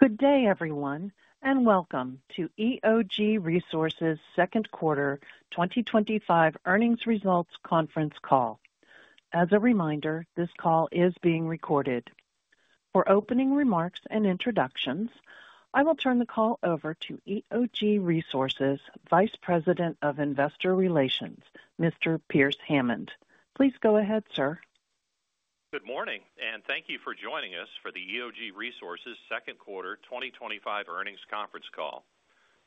Good day everyone and welcome to EOG Resources second quarter 2025 earnings results conference call. As a reminder, this call is being recorded. For opening remarks and introductions, I will turn the call over to EOG Resources Vice President of Investor Relations, Mr. Pearce Hammond. Please go ahead, sir. Good morning and thank you for joining us for the EOG Resources second quarter 2025 earnings conference call.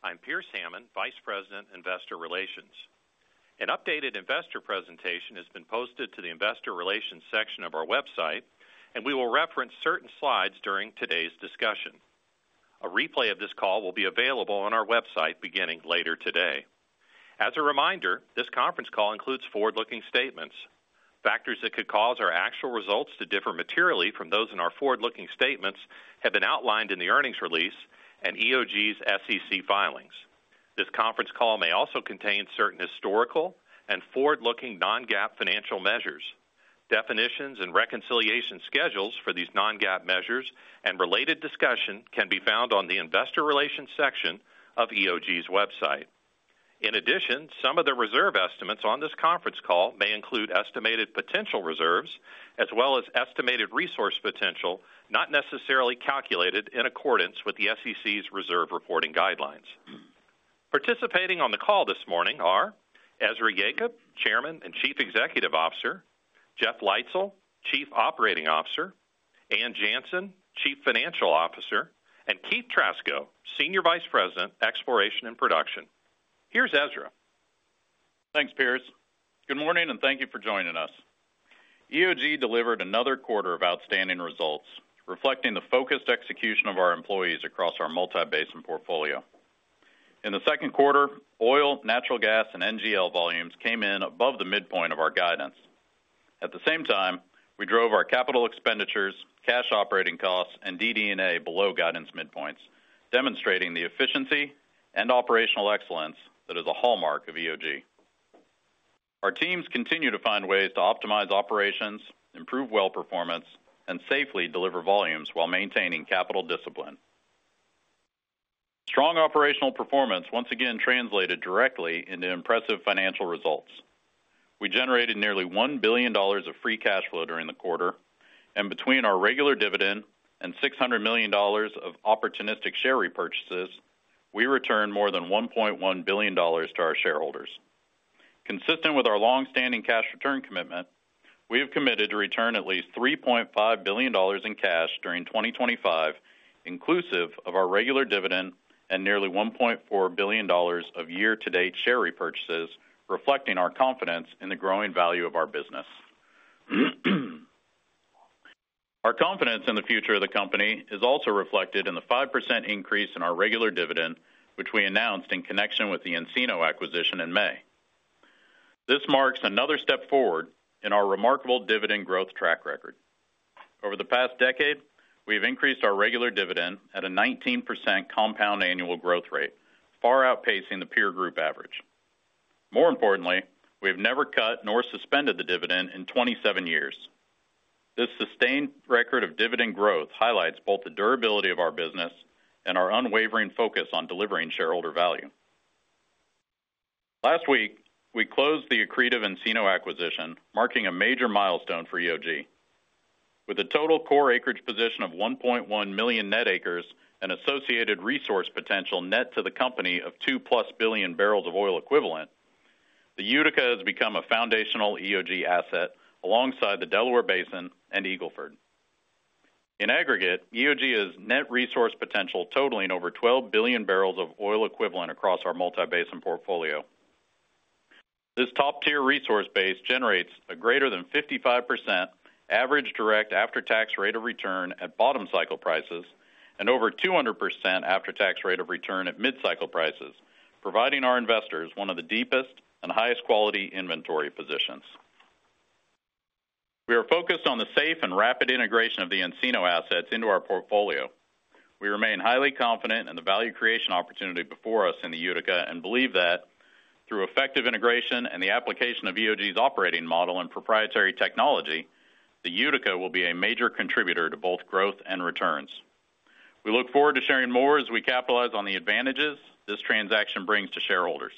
I'm Pearce Hammond, Vice President, Investor Relations. An updated investor presentation has been posted to the Investor Relations section of our website and we will reference certain slides during today's discussion. A replay of this call will be available on our website beginning later today. As a reminder, this conference call includes forward-looking statements. Factors that could cause our actual results to differ materially from those in our forward-looking statements have been outlined in the earnings release and EOG's SEC filings. This conference call may also contain certain historical and forward-looking non-GAAP financial measures. Definitions and reconciliation schedules for these non-GAAP measures and related discussion can be found on the Investor Relations section of EOG's website. In addition, some of the reserve estimates on this conference call may include estimated potential reserves as well as estimated resource potential not necessarily calculated in accordance with the SEC's reserve reporting guidelines. Participating on the call this morning are Ezra Yacob, Chairman and Chief Executive Officer; Jeff Leitzell, Chief Operating Officer; Ann Janssen, Chief Financial Officer; and Keith Trasko, Senior Vice President, Exploration and Production. Here's Ezra. Thanks Pearce. Good morning and thank you for joining us. EOG delivered another quarter of outstanding results reflecting the focused execution of our employees across our multi-basin portfolio. In the second quarter, oil, natural gas, and NGL volumes came in above the midpoint of our guidance. At the same time, we drove our capital expenditures, cash operating costs, and DDA below guidance midpoints, demonstrating the efficiency and operational excellence that is a hallmark of EOG. Our teams continue to find ways to optimize operations, improve well performance, and safely deliver volumes while maintaining capital discipline. Strong operational performance once again translated directly into impressive financial results. We generated nearly $1 billion of free cash flow during the quarter, and between our regular dividend and $600 million of opportunistic share repurchases, we returned more than $1.1 billion to our shareholders consistent with our longstanding cash return commitment. We have committed to return at least $3.5 billion in cash during 2025 inclusive of our regular dividend and nearly $1.4 billion of year-to-date share repurchases, reflecting our confidence in the growing value of our business. Our confidence in the future of the company is also reflected in the 5% increase in our regular dividend which we announced in connection with the Encino acquisition in May. This marks another step forward in our remarkable dividend growth track record. Over the past decade, we have increased our regular dividend at a 19% compound annual growth rate, far outpacing the peer group average. More importantly, we have never cut nor suspended the dividend in 27 years. This sustained record of dividend growth highlights both the durability of our business and our unwavering focus on delivering shareholder value. Last week, we closed the accretive Encino acquisition, marking a major milestone for EOG. With a total core acreage position of 1.1 million net acres and associated resource potential net to the company of 2+ billion barrels of oil equivalent, the Utica has become a foundational EOG asset alongside the Delaware Basin and Eagle Ford. In aggregate, EOG has net resource potential totaling over 12 billion bbl of oil equivalent across our multi-basin portfolio. This top tier resource base generates a greater than 55% average direct after-tax rate of return at bottom cycle prices and over 200% after-tax rate of return at mid cycle prices, providing our investors one of the deepest and highest quality inventory positions. We are focused on the safe and rapid integration of the Encino assets into our portfolio. We remain highly confident in the value creation opportunity before us in the Utica and believe that through effective integration and the application of EOG's operating model and proprietary technology, the Utica will be a major contributor to both growth and returns. We look forward to sharing more as we capitalize on the advantages this transaction brings to shareholders.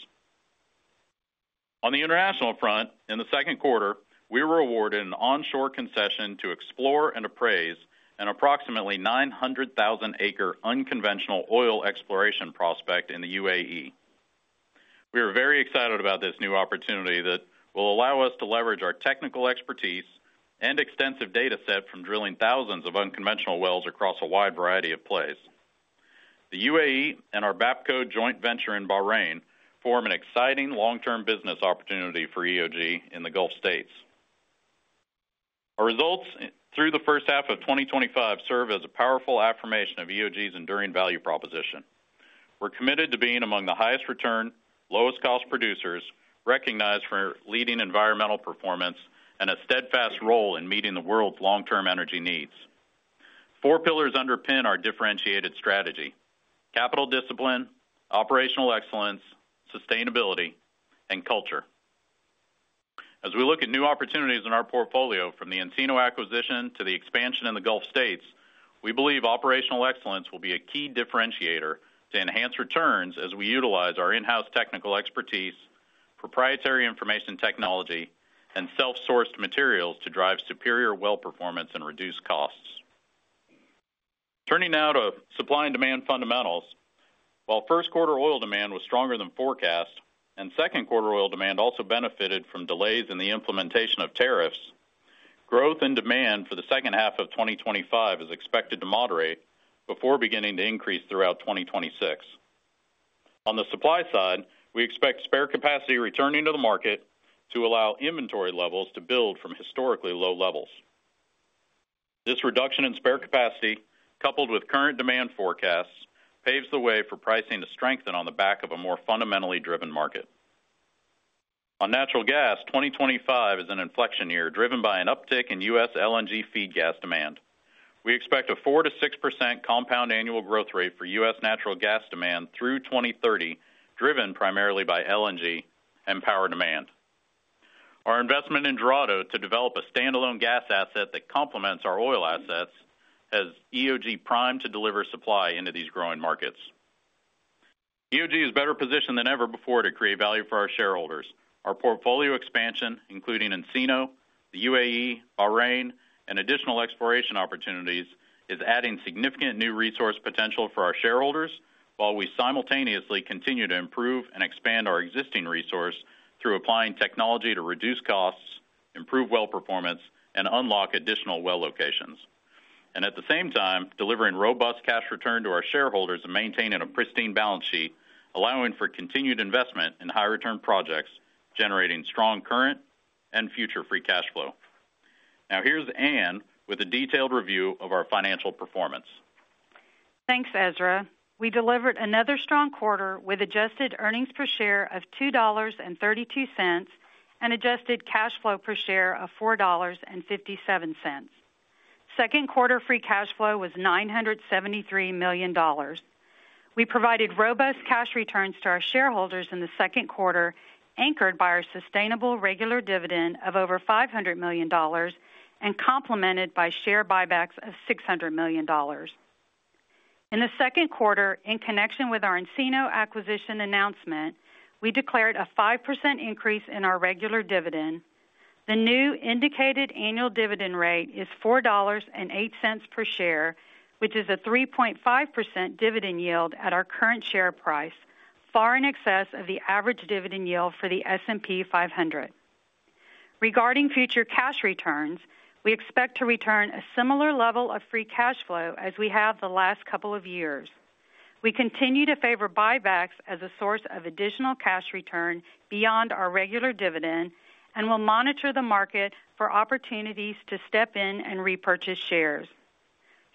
On the international front, in the second quarter we were awarded an onshore concession to explore and appraise an approximately 900,000 acre unconventional oil exploration prospect in the UAE. We are very excited about this new opportunity that will allow us to leverage our technical expertise and extensive data set from drilling thousands of unconventional wells across a wide variety of plays. The UAE and our BAPCO joint venture in Bahrain form an exciting long term business opportunity for EOG in the Gulf States. Our results through the first half of 2025 serve as a powerful affirmation of EOG's enduring value proposition. We're committed to being among the highest return, lowest cost producers, recognized for leading environmental performance and a steadfast role in meeting the world's long term energy needs. Four pillars underpin our differentiated strategy: capital discipline, operational excellence, sustainability, and culture. As we look at new opportunities in our portfolio from the Encino acquisition to the expansion in the Gulf States, we believe operational excellence will be a key differentiator to enhance returns as we utilize our in-house technical expertise, proprietary information technology, and self-sourced materials to drive superior well performance and reduce costs. Turning now to supply and demand fundamentals, while first quarter oil demand was stronger than forecast and second quarter oil demand also benefited from delays in the implementation of tariffs, growth in demand for the second half of 2025 is expected to moderate before beginning to increase throughout 2026. On the supply side, we expect spare capacity returning to the market to allow inventory levels to build from historically low levels. This reduction in spare capacity, coupled with current demand forecasts, paves the way for pricing to strengthen on the back of a more fundamentally driven market. On natural gas, 2025 is an inflection year driven by an uptick in U.S. LNG feed gas demand. We expect a 4%-6% compound annual growth rate for U.S. natural gas demand through 2030, driven primarily by LNG and power demand. Our investment in Dorado to develop a standalone gas asset that complements our oil assets has EOG primed to deliver supply into these growing markets. EOG is better positioned than ever before to create value for our shareholders. Our portfolio expansion, including Encino, the UAE, Bahrain, and additional exploration opportunities, is adding significant new resource potential for our shareholders while we simultaneously continue to improve and expand our existing resource through applying technology to reduce costs, improve well performance, and unlock additional well locations, and at the same time delivering robust cash return to our shareholders and maintaining a pristine balance sheet, allowing for continued investment in high return projects generating strong current and future free cash flow. Now here's Ann with a detailed review of our financial performance. Thanks Ezra. We delivered another strong quarter with adjusted earnings per share of $2.32 and adjusted cash flow per share of $4.57. Second quarter free cash flow was $973 million. We provided robust cash returns to our shareholders in the second quarter, anchored by our sustainable regular dividend of over $500 million and complemented by share buybacks of $600 million. In the second quarter, in connection with our Encino acquisition announcement, we declared a 5% increase in our regular dividend. The new indicated annual dividend rate is $4.08 per share, which is a 3.5% dividend yield at our current share price, far in excess of the average dividend yield for the S&P 500. Regarding future cash returns, we expect to return a similar level of free cash flow as we have the last couple of years. We continue to favor buybacks as a source of additional cash return beyond our regular dividend and will monitor the market for opportunities to step in and repurchase shares.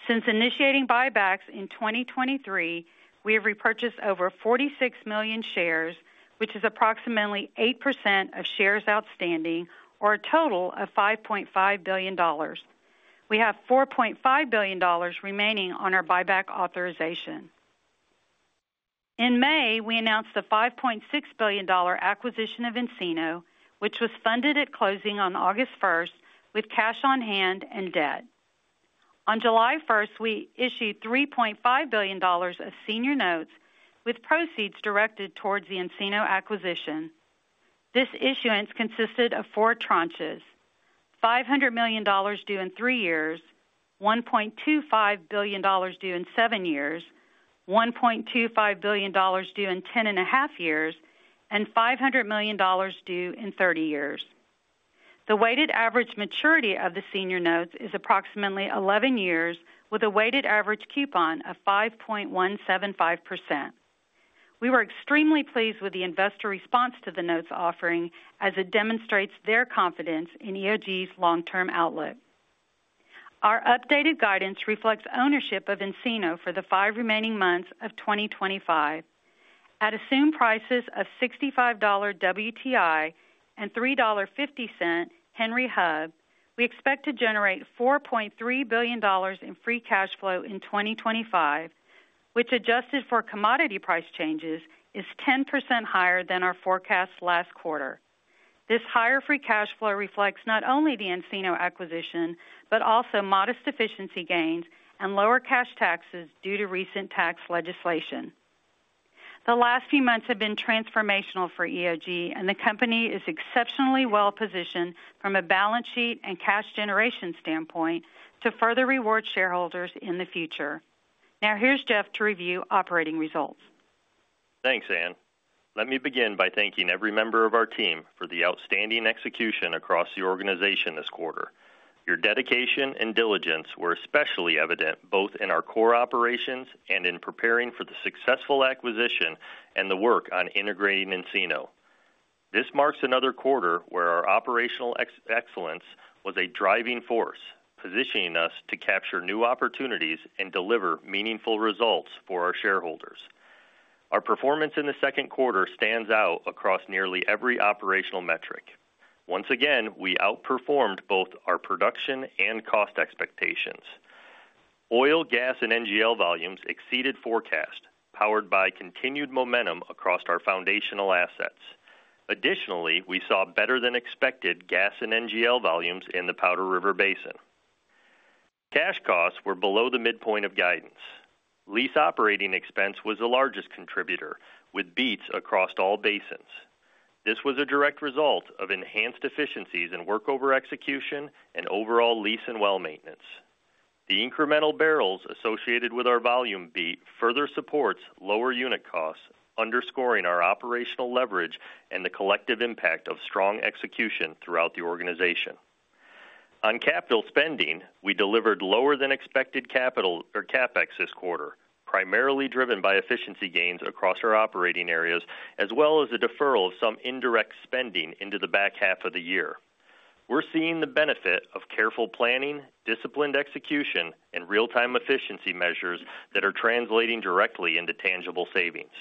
Since initiating buybacks in 2023, we have repurchased over 46 million shares, which is approximately 8% of shares outstanding or a total of $5.5 billion. We have $4.5 billion remaining on our buyback authorization. In May, we announced a $5.6 billion acquisition of Encino, which was funded at closing on August 1st with cash on hand and debt. On July 1st, we issued $3.5 billion of senior notes with proceeds directed towards the Encino acquisition. This issuance consisted of four tranches: $500 million due in three years, $1.25 billion due in seven years, $1.25 billion due in 10.5 years, and $500 million due in 30 years. The weighted average maturity of the senior notes is approximately 11 years with a weighted average coupon of 5.175%. We were extremely pleased with the investor response to the notes offering as it demonstrates their confidence in EOG's long-term outlook. Our updated guidance reflects ownership of Encino for the five remaining months of 2025. At assumed prices of $65 WTI and $3.5 Henry Hub, we expect to generate $4.3 billion in free cash flow in 2025, which, adjusted for commodity price changes, is 10% higher than our forecast last quarter. This higher free cash flow reflects not only the Encino acquisition but also modest efficiency gains and lower cash taxes due to recent tax legislation. The last few months have been transformational for EOG and the company is exceptionally well positioned from a balance sheet and cash generation standpoint to further reward shareholders in the future. Now here's Jeff to review operating results. Thanks Ann. Let me begin by thanking every member of our team for the outstanding execution across the organization this quarter. Your dedication and diligence were especially evident both in our core operations and in preparing for the successful acquisition and the work on integrating Encino. This marks another quarter where our operational excellence was a driving force, positioning us to capture new opportunities and deliver meaningful results for our shareholders. Our performance in the second quarter stands out across nearly every operational metric. Once again, we outperformed both our production and cost expectations. Oil, gas, and NGL volumes exceeded forecast, powered by continued momentum across our foundational assets. Additionally, we saw better than expected gas and NGL volumes in the Powder River Basin. Cash costs were below the midpoint of guidance. Lease operating expense was the largest contributor, with beats across all basins. This was a direct result of enhanced efficiencies in workover execution and overall lease and well maintenance. The incremental barrels associated with our volume beat further support lower unit costs, underscoring our operational leverage and the collective impact of strong execution throughout the organization on capital spending. We delivered lower than expected capital or CapEx this quarter, primarily driven by efficiency gains across our operating areas as well as a deferral of some indirect spending into the back half of the year. We're seeing the benefit of careful planning, disciplined execution, and real time efficiency measures that are translating directly into tangible savings.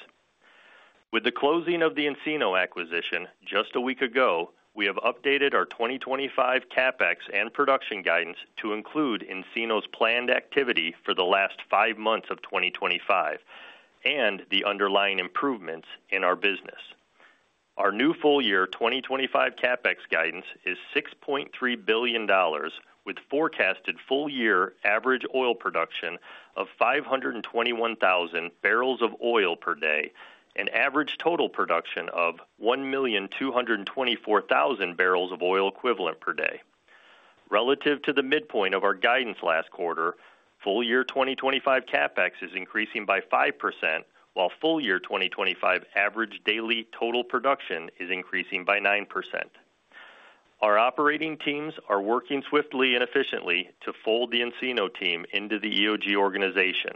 With the closing of the Encino acquisition just a week ago, we have updated our 2025 CapEx and production guidance to include Encino's planned activity for the last five months of 2025 and the underlying improvements in our business. Our new full year 2025 CapEx guidance is $6.3 billion with forecasted full year average oil production of 521,000 bbl of oil per day and average total production of 1,224,000 bbl of oil equivalent per day. Relative to the midpoint of our guidance last quarter, full year 2025 CapEx is increasing by 5% while full year 2025 average daily total production is increasing by 9%. Our operating teams are working swiftly and efficiently to fold the Encino team into the EOG organization.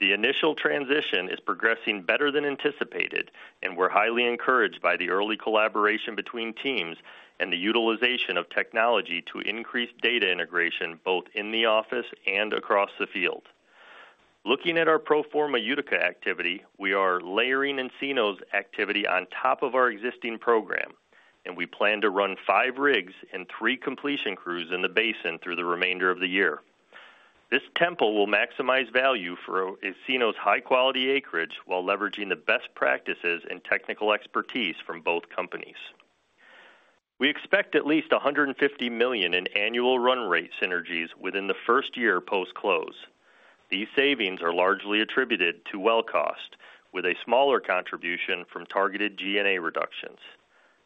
The initial transition is progressing better than anticipated, and we're highly encouraged by the early collaboration between teams and the utilization of technology to increase data integration both in the office and across the field. Looking at our pro forma Utica activity, we are layering Encino's activity on top of our existing program, and we plan to run five rigs and three completion crews in the basin through the remainder of the year. This tempo will maximize value for Encino's high quality acreage while leveraging the best practices and technical expertise from both companies. We expect at least $150 million in annual run-rate synergies within the first year post close. These savings are largely attributed to well cost, with a smaller contribution from targeted G&A reductions.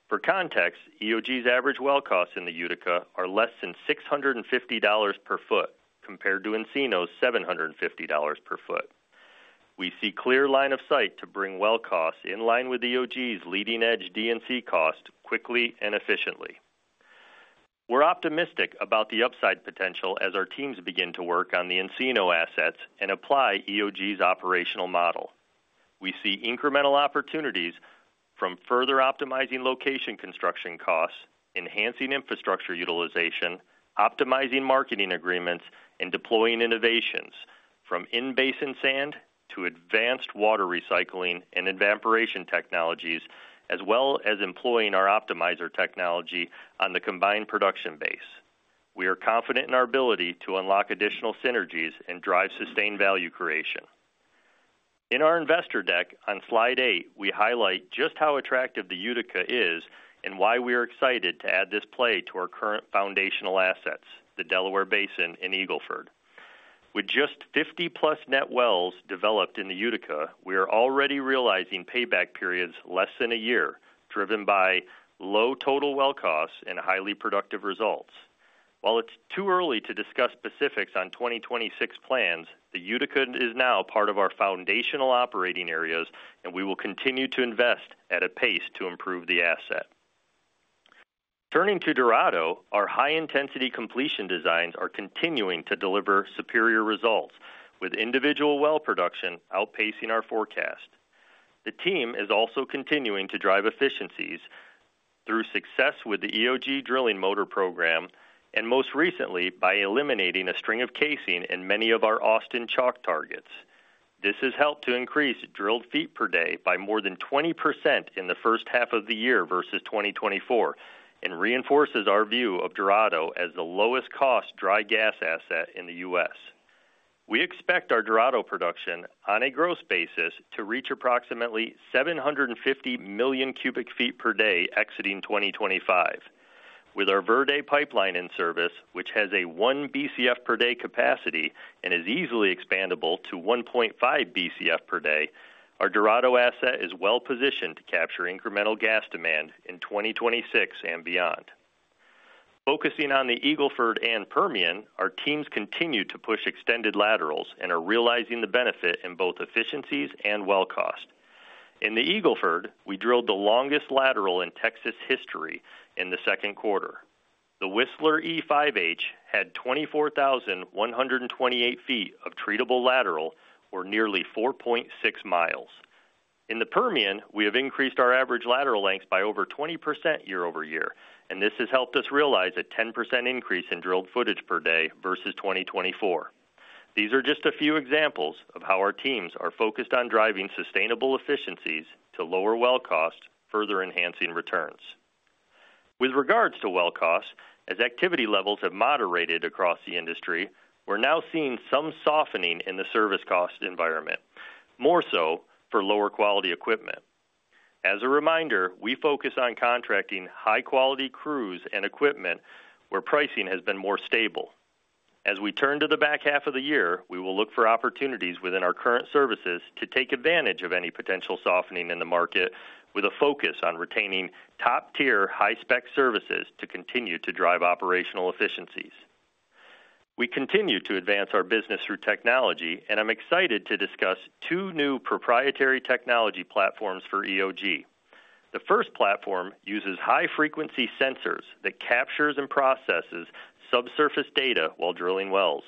For context, EOG's average well costs in the Utica are less than $650 per foot compared to Encino's $750 per foot. We see clear line of sight to bring well costs in line with EOG's leading edge D&C cost quickly and efficiently. We're optimistic about the upside potential as our teams begin to work on the Encino assets and apply EOG's Operational Model. We see incremental opportunities from further optimizing location construction costs, enhancing infrastructure utilization, optimizing marketing agreements, and deploying innovations from in-basin sand to advanced water recycling and evaporation technologies. As well as employing our optimizer technology on the combined production base, we are confident in our ability to unlock additional synergies and drive sustained value creation. In our investor deck on slide eight, we highlight just how attractive the Utica is and why we are excited to add this play to our current foundational assets, the Delaware Basin and Eagle Ford. With just 50+ net wells developed in the Utica, we are already realizing payback periods less than a year, driven by low total well costs and highly productive results. While it's too early to discuss specifics on 2026 plans, the Utica is now part of our foundational operating, and we will continue to invest at a pace to improve the asset. Turning to Dorado, our high intensity completion designs are continuing to deliver superior results with individual well production outpacing our forecast. The team is also continuing to drive efficiencies through success with the EOG drilling motor program and most recently by eliminating a string of casing in many of our Austin Chalk targets. This has helped to increase drilled feet per day by more than 20% in the first half of the year versus 2024 and reinforces our view of Dorado as the lowest cost dry gas asset in the U.S. We expect our Dorado production on a gross basis to reach approximately 750 million cu ft per day exiting 2025. With our Verde pipeline in service, which has a 1 billion cu ft per day capacity and is easily expandable to 1.5 billion cu ft, our Dorado asset is well positioned to capture incremental gas demand in 2026 and beyond. Focusing on the Eagle Ford and Permian, our teams continue to push extended laterals and are realizing the benefit in both efficiencies and well cost. In the Eagle Ford, we drilled the longest lateral in Texas history on the second quarter. The Whistler E5H had 24,128 ft of treatable lateral, or nearly 4.6 mi. In the Permian, we have increased our average lateral length by over 20% year-over-year, and this has helped us realize a 10% increase in drilled footage per day versus 2024. These are just a few examples of how our teams are focused on driving sustainable efficiencies to lower well costs, further enhancing returns. With regards to well costs, as activity levels have moderated across the industry, we're now seeing some softening in the service cost environment, more so for lower quality equipment. As a reminder, we focus on contracting high quality crews and equipment where pricing has been more stable. As we turn to the back half of the year, we will look for opportunities within our current services to take advantage of any potential softening in the market, with a focus on retaining top tier high spec services to continue to drive operational efficiencies. We continue to advance our business through technology, and I'm excited to discuss two new proprietary technology platforms for EOG. The first platform uses high-frequency sensors that capture and process subsurface data while drilling wells.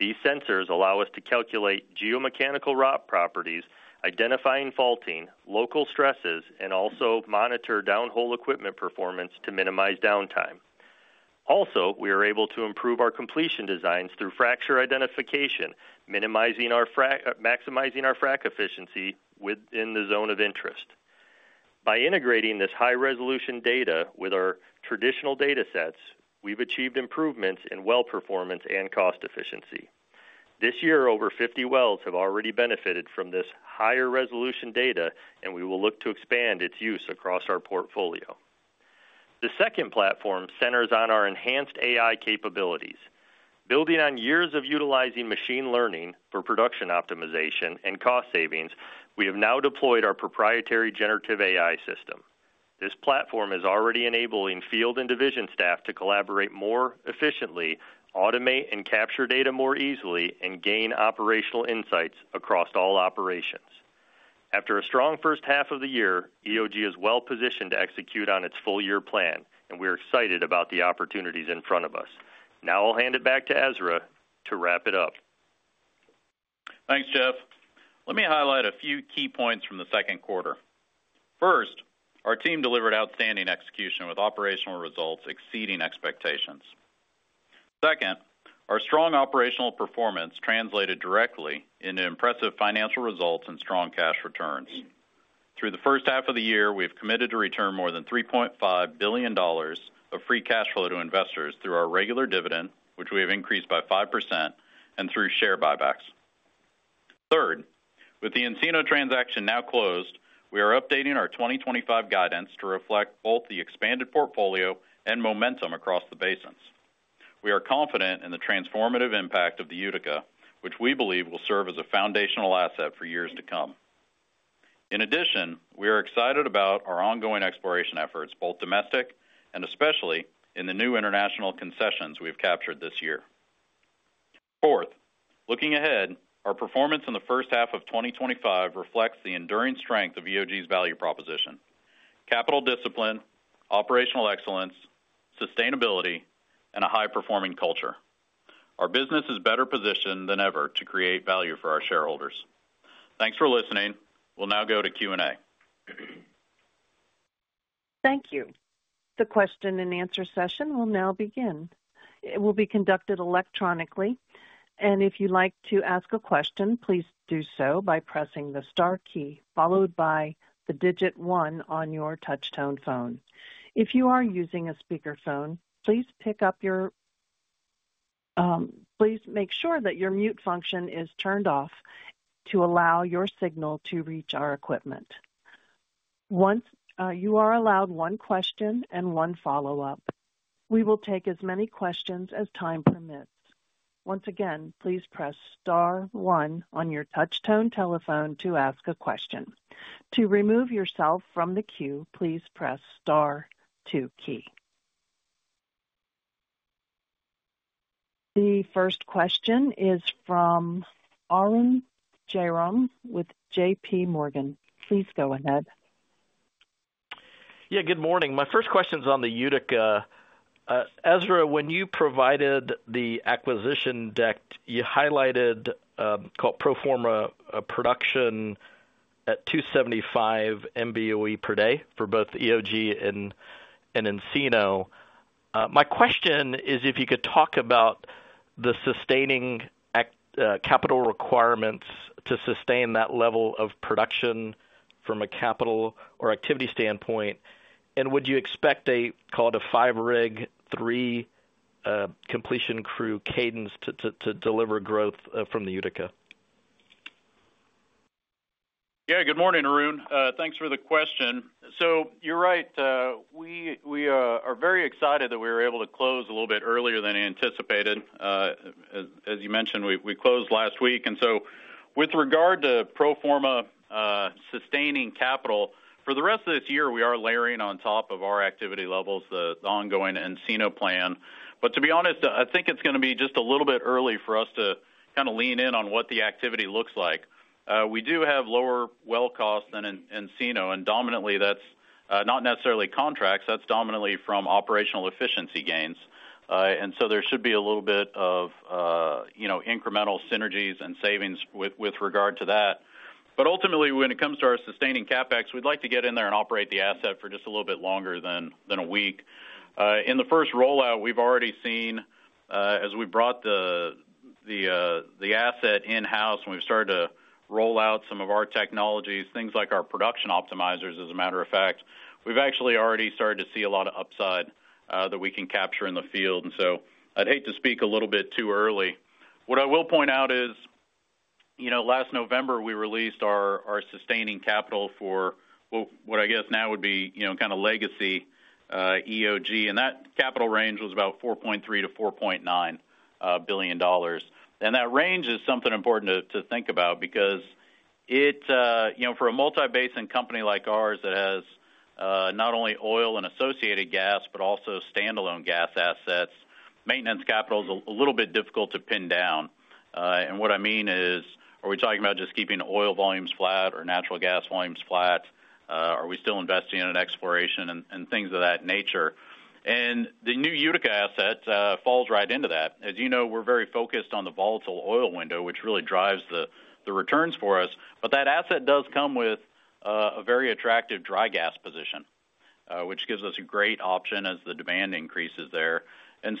These sensors allow us to calculate geomechanical rock properties, identifying faulting, local stresses, and also monitor downhole equipment performance to minimize downtime. Also, we are able to improve our completion designs through fracture identification, maximizing our frac efficiency within the zone of interest. By integrating this high resolution data with our traditional data sets, we've achieved improvements in well performance and cost efficiency this year. Over 50 wells have already benefited from this higher resolution data, and we will look to expand its use across our portfolio. The second platform centers on our enhanced AI capabilities. Building on years of utilizing machine learning for production optimization and cost savings, we have now deployed our proprietary generative AI system. This platform is already enabling field and division staff to collaborate more efficiently, automate and capture data more easily, and gain operational insights across all operations. After a strong first half of the year, EOG is well positioned to execute on its full year plan, and we are excited about the opportunities in front of us. Now I'll hand it back to Ezra to wrap it up. Thanks Jeff. Let me highlight a few key points from the second quarter. First, our team delivered outstanding execution with operational results exceeding expectations. Second, our strong operational performance translated directly into impressive financial results and strong cash returns. Through the first half of the year, we have committed to return more than $3.5 billion of free cash flow to investors through our regular dividend, which we have increased by 5%, and through share buybacks. Third, with the Encino transaction now closed, we are updating our 2025 guidance to reflect both the expanded portfolio and momentum across the basins. We are confident in the transformative impact of the Utica, which we believe will serve as a foundational asset for years to come. In addition, we are excited about our ongoing exploration efforts, both domestic and especially in the new international concessions we have captured this year. Fourth, looking ahead, our performance in the first half of 2025 reflects the enduring strength of EOG's value proposition, capital discipline, operational excellence, sustainability, and a high performing culture. Our business is better positioned than ever to create value for our shareholders. Thanks for listening. We'll now go to Q&A. Thank you. The question and answer session will now begin. It will be conducted electronically, and if you'd like to ask a question, please do so by pressing the star key followed by the digit one on your touchtone phone. If you are using a speakerphone, please pick up your handset. Please make sure that your mute function is turned off to allow your signal to reach our equipment. You are allowed one question and one follow-up. We will take as many questions as time permits. Once again, please press star one on your touchtone telephone to ask a question. To remove yourself from the queue, please press star two key. The first question is from Arun Jayaram with JPMorgan Securities. Please go ahead. Yeah, good morning. My first question is on the Utica, Ezra. When you provided the acquisition deck, you highlighted called pro forma production at 275. MBOE per day for both EOG and Encino. My question is if you could talk about the sustaining capital requirements to sustain. That level of production from a capital. From an activity standpoint, would you expect? A call to five rig three completions. Crew cadence to deliver growth from the Utica? Yeah. Good morning Arun. Thanks for the question. You're right, we are very excited that we were able to close a little bit earlier than anticipated. As you mentioned, we closed last week and with regard to pro forma sustaining capital for the rest of this year, we are layering on top of our activity levels the ongoing Encino plan. To be honest, I think it's going to be just a little bit early for us to kind of lean in on what the activity looks like. We do have lower well cost than Encino and dominantly that's not necessarily contracts, that's dominantly from operational efficiency gains. There should be a little bit of incremental synergies and savings with regard to that. Ultimately, when it comes to our sustaining CapEx, we'd like to get in there and operate the asset for just a little bit longer than a week. In the first rollout, we've already seen as we brought the asset in house and we've started to roll out some of our technologies, things like our production optimizers. As a matter of fact, we've actually already started to see a lot of upside that we can capture in the field and I'd hate to speak a little bit too early. What I will point out is last November we released our sustaining capital for what I guess now would be kind of legacy. That capital range was about $4.3 billion-$4.9 billion. That range is something important to think about because for a multi-basin company like ours that has not only oil and associated gas, but also standalone gas assets, maintenance capital is a little bit difficult to pin down. What I mean is, are we talking about just keeping oil volumes flat or natural gas volumes flat? Are we still investing in exploration and things of that nature? The new Utica asset falls right into that. As you know, we're very focused on the volatile oil window, which really drives the returns for us. That asset does come with a very attractive dry gas position, which gives us a great option as the demand increases there.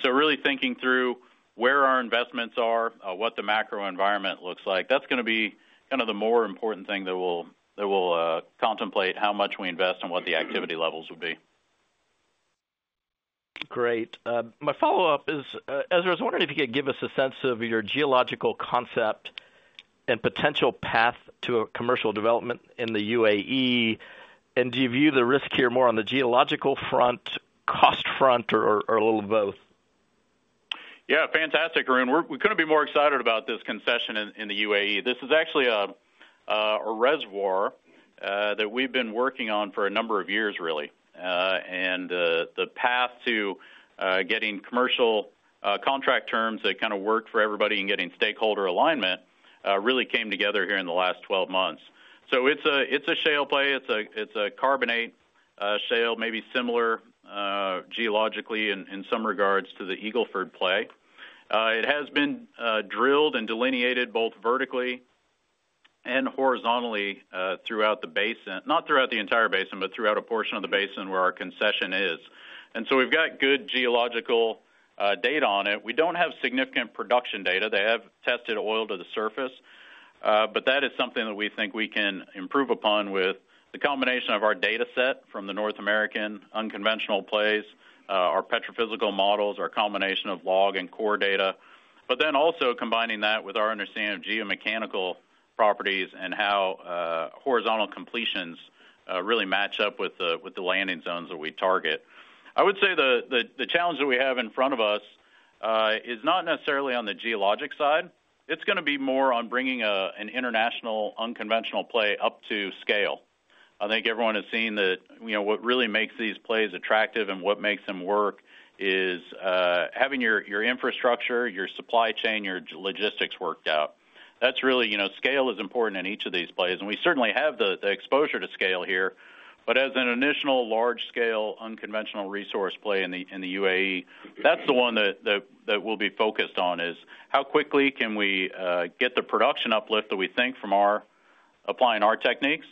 Really thinking through where our investments are, what the macro environment looks like, that's going to be kind of the more important thing that will contemplate how much we invest and what the activity levels would be. Great. My follow up is, Ezra, I was. Wondering if you could give us a sense of your geological concept and potential. Path to a commercial development in the UAE. Do you view the risk here more on the geological front, cost front, or a little both? Yeah. Fantastic. Arun, we couldn't be more excited about this concession in the UAE. This is actually a reservoir that we've been working on for a number of years, really. The path to getting commercial contract terms that kind of work for everybody and getting stakeholder alignment really came together here in the last 12 months. It's a shale play. It's a carbonate shale, maybe similar geologically in some regards to the Eagle Ford play. It has been drilled and delineated both vertically and horizontally throughout the basin, not throughout the entire basin, but throughout a portion of the basin where our concession is. We've got good geological data on it. We don't have significant production data. They have tested oil to the surface. That is something that we think we can improve upon with the combination of our data set from the North American unconventional plays, our petrophysical models, our combination of log and core data, and also combining that with our understanding of geomechanical properties and how horizontal completions really match up with the landing zones that we target. I would say the challenge that we have in front of us is not necessarily on the geologic side. It's going to be more on bringing an international unconventional play up to scale. I think everyone has seen that what really makes these plays attractive and what makes them work is having your infrastructure, your supply chain, your logistics worked out. Scale is important in each of these plays and we certainly have the exposure to scale here. As an additional large scale, unconventional resource play in the UAE, that's the one that we'll be focused on, how quickly can we get the production uplift that we think from applying our techniques,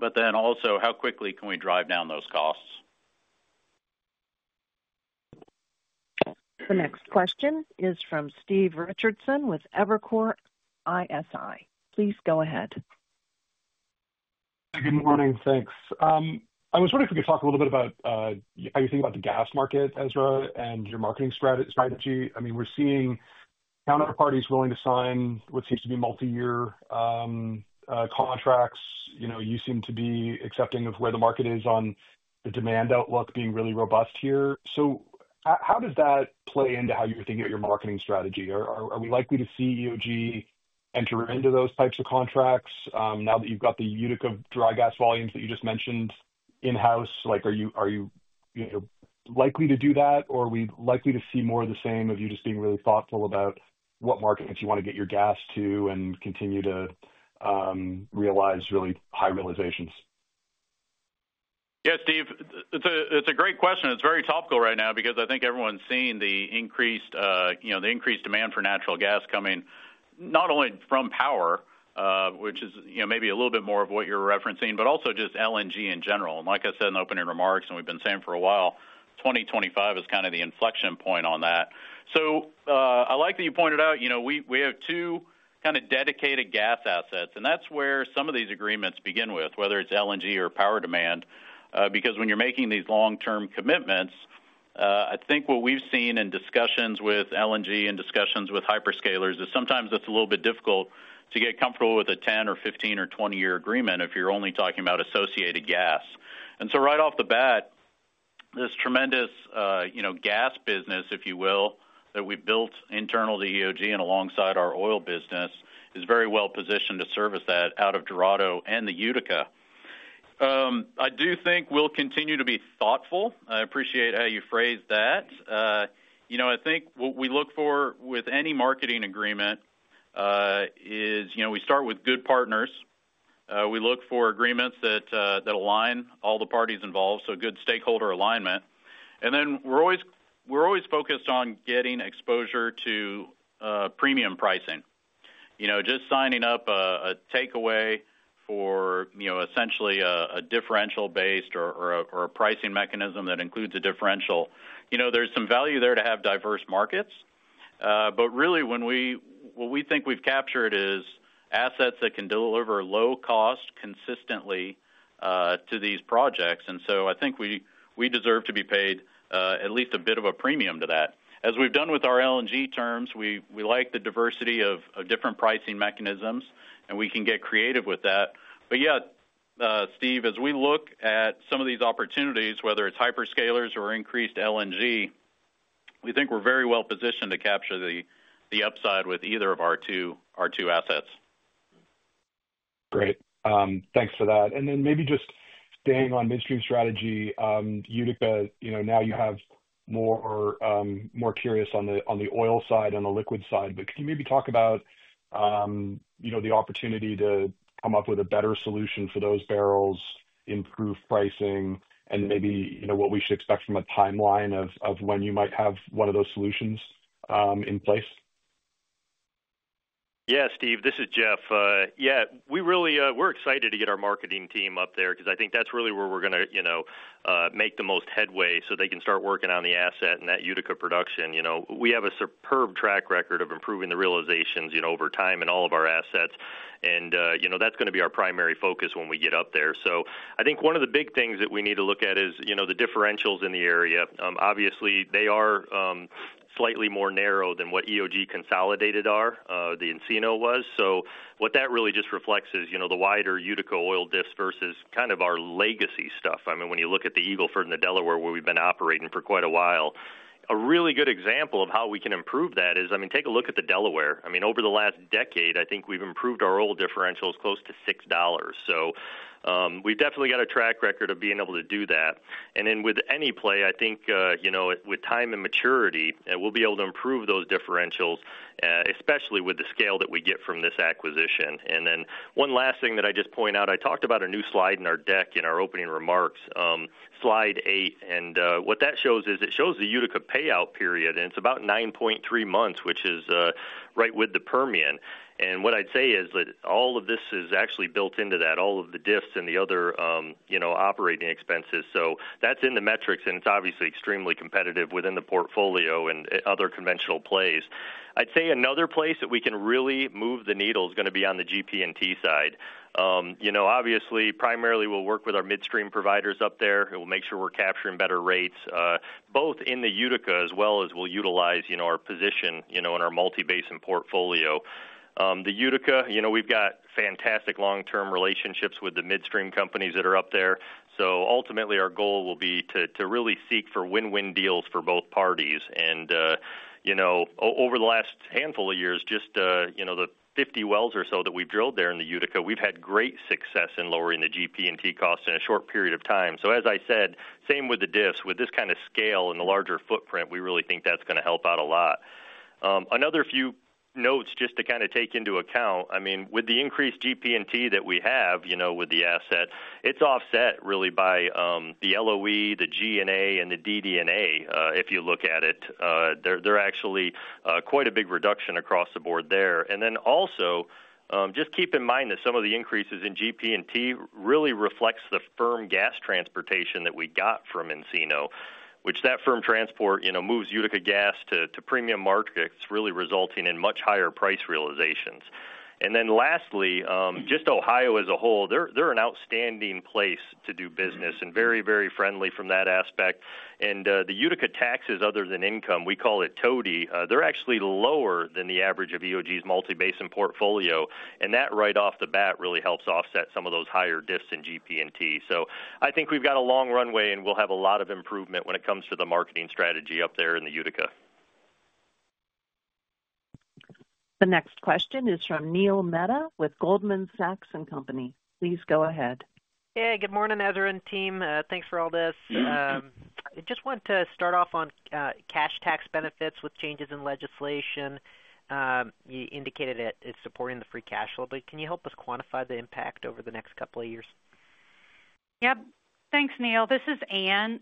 and also how quickly can we drive down those costs. The next question is from Steve Richardson with Evercore ISI. Please go ahead. Good morning. Thanks. I was wondering if we could talk a little bit about how you think about the gas market, Ezra, and your marketing strategy. I mean, we're seeing counterparties willing to sign what seems to be multi-year contracts. You know, you seem to be accepting of where the market is on the demand outlook being really robust here. How does that play into how you're thinking of your marketing strategy? Are we likely to see EOG enter into those types of contracts now that you've got the Utica dry gas volumes that you just mentioned in house? Are you likely to do that or are we likely to see more of the same of you just being really thoughtful about what markets you want to get your gas to and continue to realize really high realizations? Yes, Steve, it's a great question. It's very topical right now because I think everyone's seeing the increased demand for natural gas coming not only from power, which is maybe a little bit more of what you're referencing, but also just LNG in general. Like I said in the opening remarks, and we've been saying for a while, 2025 is kind of the inflection point on that. I like that you pointed out we have two kind of dedicated gas assets and that's where some of these agreements begin with whether it's LNG or power demand. When you're making these long-term commitments, I think what we've seen in discussions with LNG and discussions with hyperscalers is sometimes it's a little bit difficult to get comfortable with a 10 or 15 or 20 year agreement if you're only talking about associated gas. Right off the bat, this tremendous gas business, if you will, that we've built internal to EOG and alongside our oil business is very well positioned to service that out of Dorado and the Utica. I do think we'll continue to be thoughtful. I appreciate how you phrase that. I think what we look for with any marketing agreement is we start with good partners. We look for agreements that align all the parties involved, so good stakeholder alignment. We're always focused on getting exposure to premium pricing. Just signing up a takeaway or essentially a differential-based or a pricing mechanism that includes a differential, there's some value there to have diverse markets, but really what we think we've captured is assets that can deliver low cost consistently to these projects. I think we deserve to be paid at least a bit of a premium to that, as we've done with our LNG terms. We like the diversity of different pricing mechanisms and we can get creative with that. Yet, Steve, as we look at some of these opportunities, whether it's hyperscalers or increased LNG, we think we're very well positioned to capture the upside with either of our two assets. Great, thanks for that. Maybe just staying on midstream strategy. Utica, you know, now you have more, more curious on the oil side and the liquid side, but could you maybe talk about the opportunity to come up with a better solution for those barrels, improve pricing, and maybe what we should expect from a timeline of when you might have one of those solutions in place. Yeah. Steve, this is Jeff. We're excited to get our marketing team up there because I think that's really where we're going to make the most headway so they can start working on the asset and that Utica production. We have a superb track record of improving the realizations over time in all of our assets, and that's going to be our primary focus when we get up there. I think one of the big things that we need to look at is the differentials in the area. Obviously, they are slightly more narrow than what EOG Consolidated are, the Encino was. What that really just reflects is the wider Utica oil diffs versus kind of our legacy stuff. I mean, when you look at the Eagle Ford and the Delaware, where we've been operating for quite a while, a really good example of how we can improve that is, take a look at the Delaware. Over the last decade, I think we've improved our oil differentials close to $6. We definitely got a track record of being able to do that. With any play, I think with time and maturity, we'll be able to improve those differentials, especially with the scale that we get from this acquisition. One last thing that I just point out, I talked about a new slide in our deck in our opening remarks, Slide eight. What that shows is it shows the Utica payout and it's about 9.3 months, which is right with the Permian. What I'd say is that all of this is actually built into that, all of the diffs and the other operating expenses. That's in the metrics and it's obviously extremely competitive within the portfolio and other conventional plays. I'd say another place that we can really move the needle is going to be on the GP&T side. Obviously, primarily we'll work with our midstream providers up there. We'll make sure we're capturing better rates, both in the Utica as well as we'll utilize our position in our Multi Basin portfolio. The Utica, we've got fantastic long-term relationships with the midstream companies that are up there. Ultimately, our goal will be to really seek for win-win deals for both parties. Over the last handful of years, just the 50 wells or so that we've drilled there in the Utica, we've had great success in lowering the GP&T cost in a short period of time. As I said, same with the diffs. With this kind of scale and the larger footprint, we really think that's help out a lot. Another few notes just to kind of take into account, with the increased GP&T that we have, you know, with the asset, it's offset really by the LOE, the G&A, and the DD&A. If you look at it, they're actually quite a big reduction across the board there. Also, just keep in mind that some of the increases in GP&T really reflect the firm gas transportation that we got from Encino, which that firm transport, you know, moves Utica gas to premium markets really resulting in much higher price realizations. Lastly, just Ohio as a whole, they're an outstanding place to do business and very, very friendly from that aspect. The Utica taxes other than income, we call it TODI, they're actually lower than the average of EOG's multi-basin portfolio and that right off the bat really helps offset some of those higher diffs in GP&T. I think we've got a long runway and we'll have a lot of improvement when it comes to the marketing strategy up there in the Utica. The next question is from Neil Mehta with Goldman Sachs & Company Please go ahead. Yeah, good morning, Ezra and team. Thanks for all this. I just want to start off on cash tax benefits with changes in legislation. You indicated it's supporting the free cash flow. Flow, but can you help us quantify the impact over the next couple of years? Yep, thanks, Neil. This is Ann.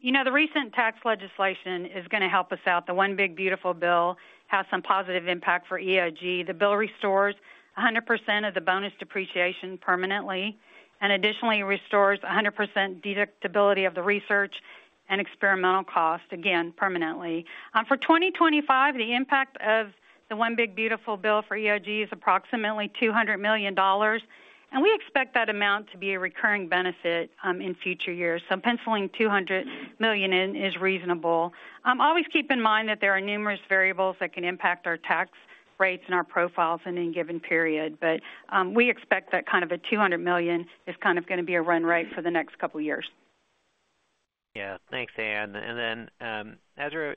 You know the recent tax legislation is going to help us out. The One Big Beautiful Bill has some positive impact for EOG Resources. The bill restores 100% of the bonus depreciation permanently, and additionally restores 100% deductibility of the research and experimental cost again permanently. For 2025, the impact of the One Big Beautiful Bill for EOG is approximately $200 million, and we expect that amount to be a recurring benefit in future years. Penciling $200 million in is reasonable. Always keep in mind that there are numerous variables that can impact our tax rates and our profiles in any given period, but we expect that kind of a $200 million is kind of going to be a run rate for the next couple years. Yeah, thanks, Ann. Ezra,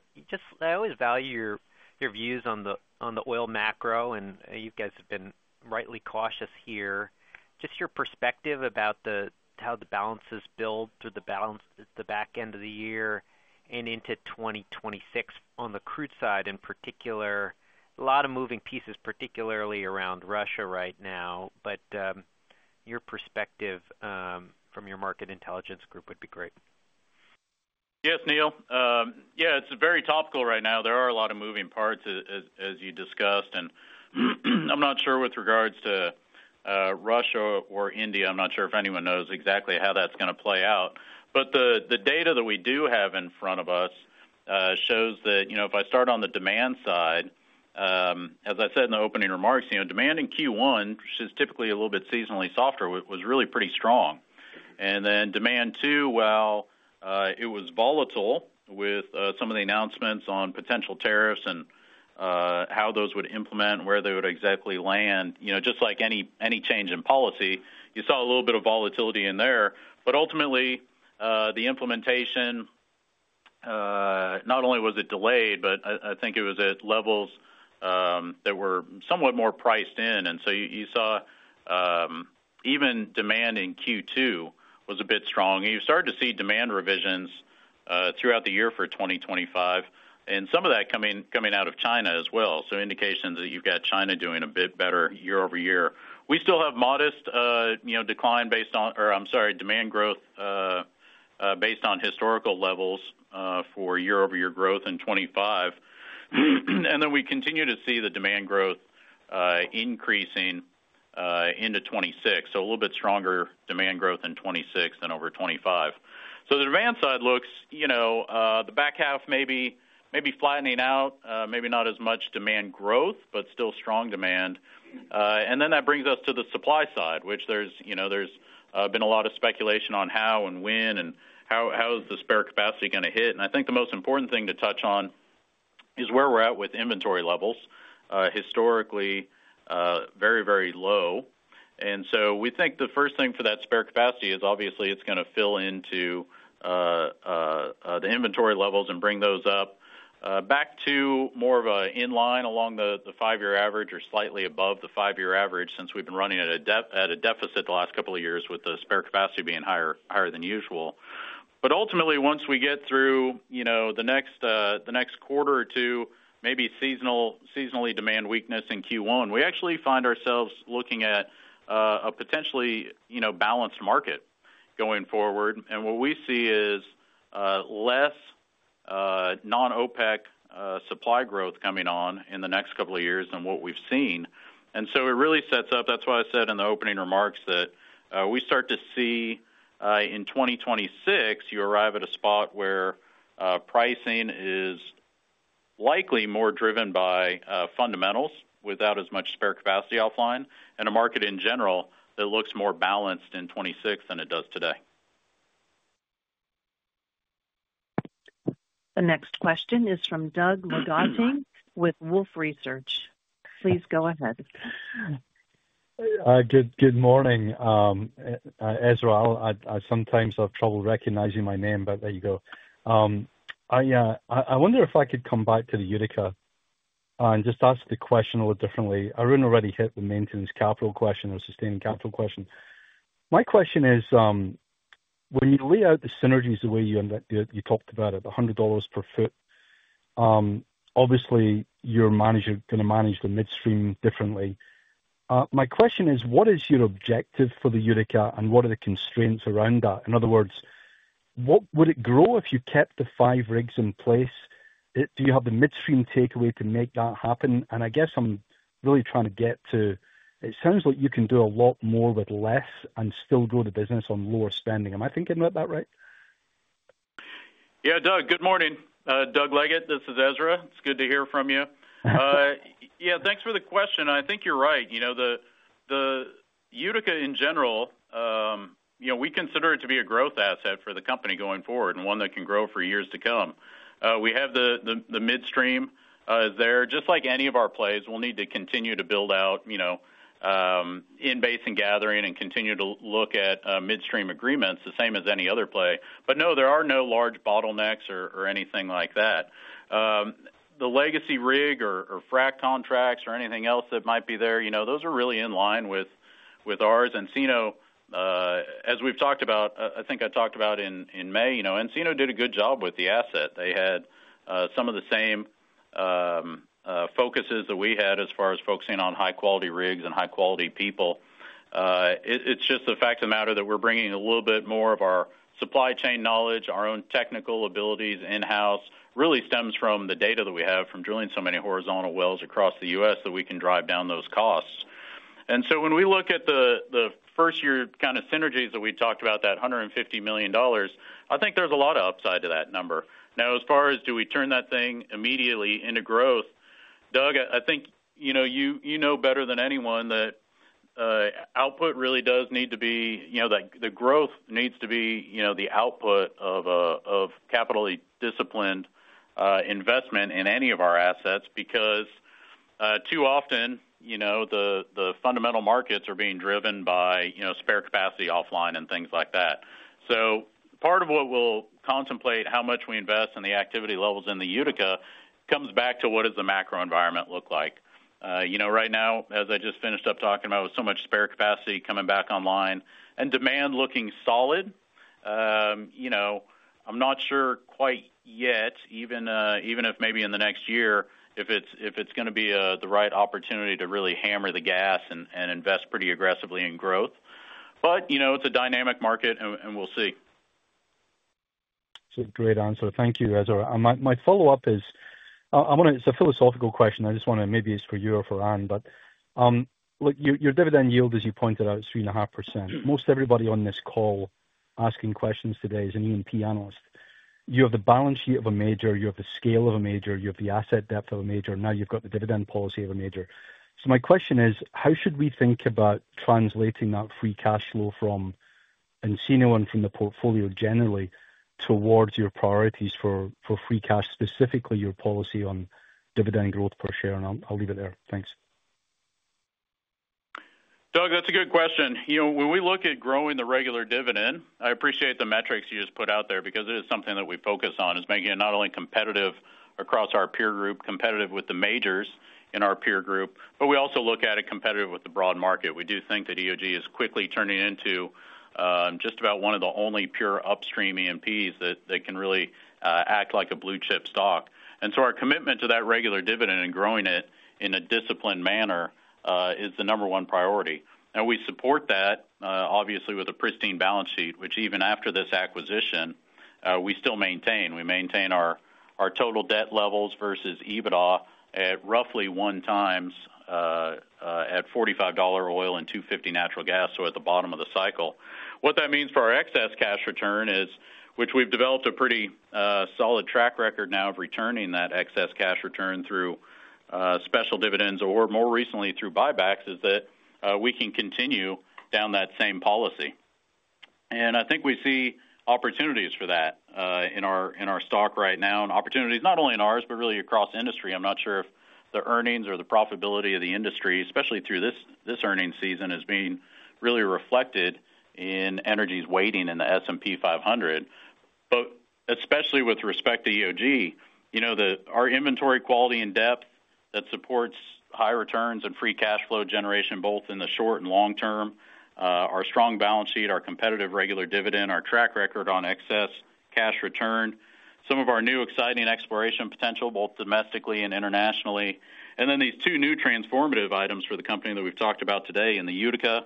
I always value your views on the oil macro and you. Guys have been rightly cautious here. Just your perspective about how the balances build through the balance, the back end. Of the year and into 2026. On the crude side in particular, a. Lot of moving pieces, particularly around Russia right now. Your perspective from your market intelligence. Group would be great. Yes, Neil. Yeah, it's very topical right now. There are a lot of moving parts as you discussed. I'm not sure with regards to Russia or India, I'm not sure if anyone knows exactly how that's going to play out, but the data that we do have in front of us shows that if I start on the demand side, as I said in the opening remarks, demand in Q1 is typically a little bit seasonally softer, was really pretty strong. Then demand too, it was volatile with some of the announcements on potential tariffs and how those would implement, where they would exactly land. Just like any change in policy, you saw a little bit of volatility in there. Ultimately, the implementation, not only was it delayed, but I think it was at levels that were somewhat more priced in. You saw even demand in Q2 was a bit strong. You've started to see demand revisions throughout the year for 2025 and some of that coming out of China as well. Indications are that you've got China doing a bit better year-over-year. We still have modest demand growth based on historical levels for year-over-year growth in 2025. We continue to see the demand growth increasing into 2026, a little bit stronger demand growth in 2026 than over 2025. The demand side looks, the back half maybe flattening out, maybe not as much demand growth, but still strong demand. That brings us to the supply side, which there's been a lot of speculation on how and when and how is the spare capacity going to hit. I think the most important thing to touch on is where we're at with inventory levels, historically very, very low. We think the first thing for that spare capacity is obviously it's going to fill into the inventory levels and bring those up back to more of an in line along the five-year average or slightly above the five-year average since we've been running at a deficit the last couple of years with the spare capacity being higher than usual. Ultimately, once we get through the next quarter or two, maybe seasonally demand weakness in Q1, we actually find ourselves looking at a potentially balanced market going forward. What we see is less non-OPEC supply growth coming on in the next couple of years than what we've seen. It really sets up, that's why I said in the opening remarks that we start to see in 2026, you arrive at a spot where pricing is likely more driven by fundamentals without as much spare capacity offline and a market in general that looks more balanced in 2026 than it does today. The next question is from Doug Leggate with Wolfe Research. Please go ahead. Good morning, Ezra. I sometimes have trouble recognizing my name. There you go. I wonder if I could come back to the Utica and just ask the question a little differently. Arun already hit the maintenance capital question or sustained capital question. My question is when you lay out the synergies the way you talked about it, $100 per foot, obviously your manager is going to manage the midstream differently. My question is what is your objective for the Utica and what are the constraints around that? In other words, what would it grow if you kept the five rigs in place? Do you have the midstream takeaway to make that happen? I guess I'm really trying to get to it sounds like you can do a lot more with less and still grow the business on lower spending. Am I thinking about that right? Yeah. Doug, good morning. Doug Leggate, this is Ezra. It's good to hear from you. Yeah, thanks for the question. I think you're right. You know, the Utica in general, we consider it to be a growth asset for the company going forward and one that can grow for years to come. We have the midstream just like any of our plays. We'll need to continue to build out, you know, in basin gathering and continue to look at midstream agreements the same as any other play. There are no large bottlenecks or anything like that. The legacy rig or frac contracts or anything else that might be there, those are really in line with ours. Encino, as we've talked about, I think I talked about in May, you know, Encino did a good job with the asset. They had some of the same focuses that we had as far as focusing on high quality rigs and high quality people. It's just the fact of the matter that we're bringing a little bit more of our supply chain knowledge. Our own technical abilities in house really stems from the data that we have from drilling so many horizontal wells across the U.S. that we can drive down those costs. When we look at the first year kind of synergies that we talked about, that $150 million, I think there's a lot of upside to that number now as far as do we turn that thing immediately into growth. Doug, I think you know better than anyone that output really does need to be, you know, the growth needs to be the output of capitally disciplined investment in any of our assets because too often the fundamental markets are being driven by spare capacity offline and things like that. Part of what we'll contemplate, how much we invest in the activity levels in the Utica, comes back to what does the macro environment look like. Right now, as I just finished up talking about, with so much spare capacity coming back online and demand looking solid, I'm not sure quite yet even, even if, maybe in the next year, if it's going to be the right opportunity to really hammer the gas and invest pretty aggressively in growth. It's a dynamic market and we'll see. It's a great answer. Thank you, Ezra. My follow up is it's a philosophical question. Maybe it's for you or for Ann, but your dividend yield, as you pointed out, is 3.5%. Most everybody on this call asking questions today is an E&P analyst. You have the balance sheet of a major, you have the scale of a major, you have the asset depth of a major. Now you've got the dividend policy of a major. My question is how should we think about translating that free cash flow from Encino and from the portfolio generally towards your priorities for free cash, specifically your policy on dividend growth per share. I'll leave it there. Thanks. Doug, that's a good question. When we look at growing the regular dividend, I appreciate the metrics you just put out there because it is something that we focus on, making it not only competitive across our peer group, competitive with the majors in our peer group, but we also look at it as competitive with the broad market. We do think that EOG is quickly turning into just about one of the only pure upstream E&Ps that can really act like a blue chip stock. Our commitment to that regular dividend and growing it in a disciplined manner is the number one priority. We support that obviously with a pristine balance sheet, which even after this acquisition we still maintain. We maintain our total debt levels versus EBITDA at roughly 1x at $45 oil and $2.50 natural gas. At the bottom of the cycle, what that means for our excess cash return, which we've developed a pretty solid track record now of returning that excess cash return through special dividends or more recently through buybacks, is that we can continue down that same policy. I think we see opportunities for that in our stock right now and opportunities not only in ours, but really across industry. I'm not sure if the earnings or the profitability of the industry, especially through this earnings season, is being really reflected in energy's weighting in the S&P 500. Especially with respect to EOG, our inventory quality and depth that supports high returns and free cash flow generation both in the short and long term, our strong balance sheet, our competitive regular dividend, our track record on excess cash return, some of our new exciting exploration potential both domestically and internationally, and then these two new transformative items for the company that we've talked about today in the Utica,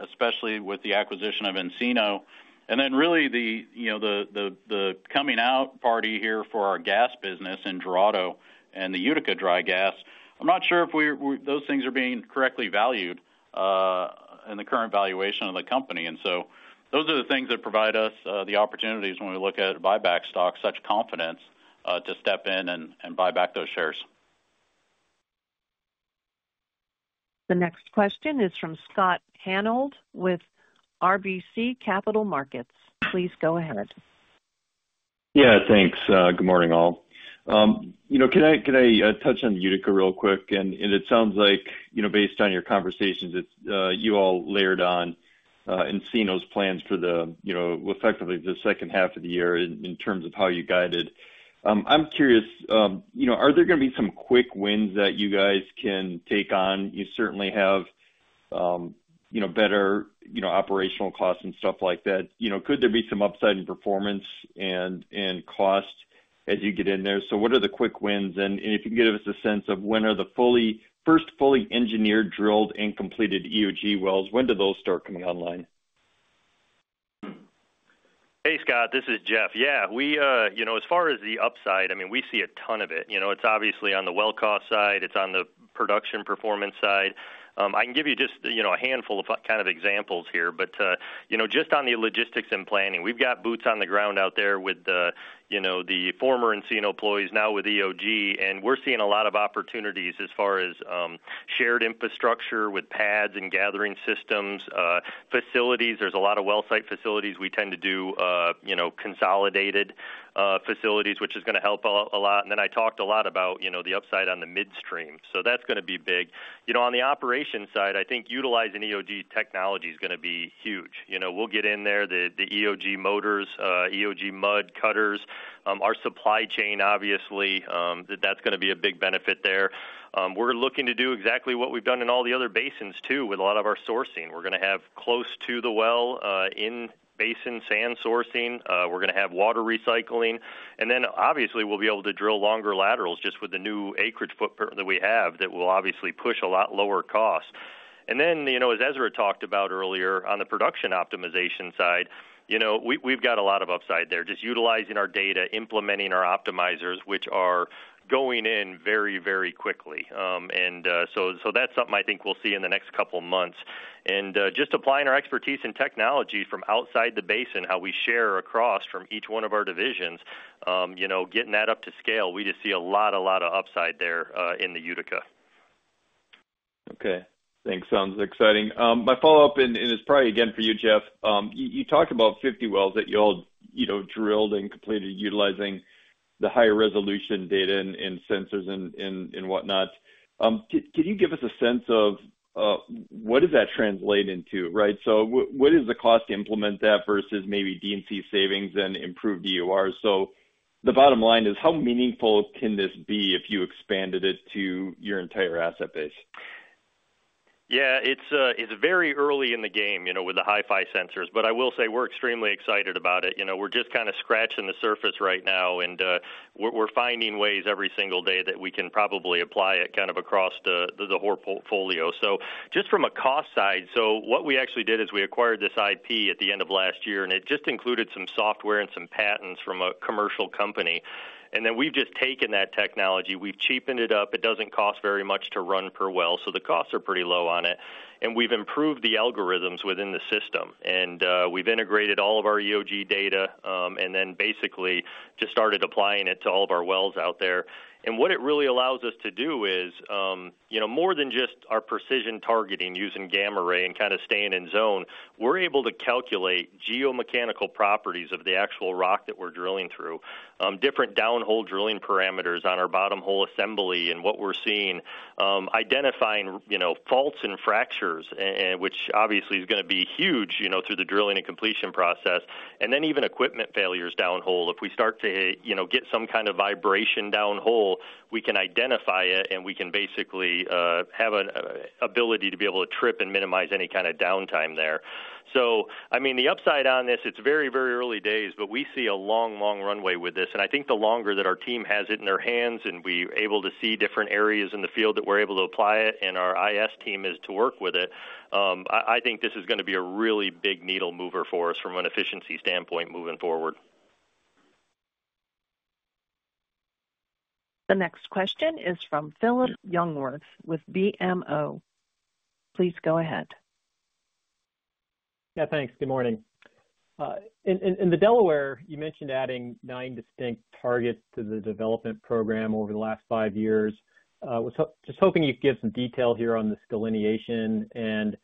especially with the acquisition of Encino, and then really the coming out party here for our gas business in Dorado and the Utica Dry gas. I'm not sure if those things are being correctly valued in the current valuation of the company. Those are the things that provide us the opportunities when we look at buyback stocks, such confidence to step in and buy back those shares. The next question is from Scott Hanold with RBC Capital Markets. Please go ahead. Yeah, thanks. Good morning. All right. Can I touch on Utica real quick? It sounds like, based on your conversations, you all layered on Encino's plans for the second half of the year in terms of how you guided. I'm. Curious, you know, are there going to. Be some quick wins that you guys can take on? You certainly have better operational costs and stuff like that. You know, could there be some upside in performance and cost as you get in there? What are the quick wins? If you can give us a sense of when are the first fully engineered, drilled and completed EOG wells, when do those start coming online? Hey, Scott, this is Jeff. Yeah, as far as the upside, I mean, we see a ton of it. It's obviously on the well cost side, it's on the production performance side. I can give you just a handful of kind of examples here. Just on the logistics and planning, we've got boots on the ground out there with the former Encino employees now with EOG and we're seeing a lot of opportunities as far as shared infrastructure with pads and gathering systems facilities. There's a lot of well site facilities. We tend to do consolidated facilities, which is going to help a lot. I talked a lot about the upside on the midstream. That's going to be big. On the operations side, I think utilizing EOG technology is going to be huge. We'll get in there. The EOG motors, EOG mud cutters, our supply chain, obviously that's going to be a big benefit there. We're looking to do exactly what we've done in all the other basins too, with a lot of our sourcing. We're going to have close to the well in basin sand sourcing, we're going to have water recycling and obviously we'll be able to drill longer laterals just with the new acreage footprint that we have. That will obviously push a lot lower costs. As Ezra talked about earlier on the production optimization side, we've got a lot of upside there. Just utilizing our data, implementing our optimizers, which are going in very, very quickly. That's something I think we'll see in the next couple months. Just applying our expertise and technology from outside the basin, how we share across from each one of our divisions, getting that up to scale, we just see a lot, a lot of upside there in the Utica. Okay, thanks. Sounds exciting. My follow-up, and it's probably again for you, Jeff, you talked about 50. Wells that you all, you know, drilled and completed utilizing the higher resolution data and sensors and whatnot. Can you give us a sense of? What does that translate into? Right. What is the cost to implement that versus maybe D&C savings and improved EOR? The bottom line is how meaningful can this be if you expanded it to your entire asset base? It's very early in the game with the high-frequency sensors, but I will say we're extremely excited about it. We're just kind of scratching the surface right now and we're finding ways every single day that we can probably apply it across the whole portfolio. Just from a cost side, what we actually did is we acquired this IP at the end of last year and it included some software and some patents from a commercial company. We've just taken that technology, we've cheapened it up, it doesn't cost very much to run per well, so the costs are pretty low on it. We've improved the algorithms within the system and we've integrated all of our EOG data and then basically just started applying it to all of our wells out there. What it really allows us to do is more than just our precision targeting. Using gamma ray and staying in zone, we're able to calculate geomechanical properties of the actual rock that we're drilling through, different downhole drilling parameters on our bottom hole assembly and what we're seeing, identifying faults and fractures, which obviously is going to be huge through the drilling and completions process and even equipment failures downhole. If we start to get some kind of vibration downhole, we can identify it and we can basically have an ability to be able to trip and minimize any kind of downtime there. The upside on this, it's very, very early days, but we see a long, long runway with this. I think the longer that our team has it in their hands and we're able to see different areas in the field that we're able to apply it and our IS team is to work with it, I think this is going to be a really big needle mover for us from an efficiency standpoint moving forward. The next question is from Philip Youngworth with BMO. Please go ahead. Yeah, thanks. Good morning. In the Delaware, you mentioned adding nine distinct targets to the development program over the last five years. Was just hoping you'd give some detail here on this delineation and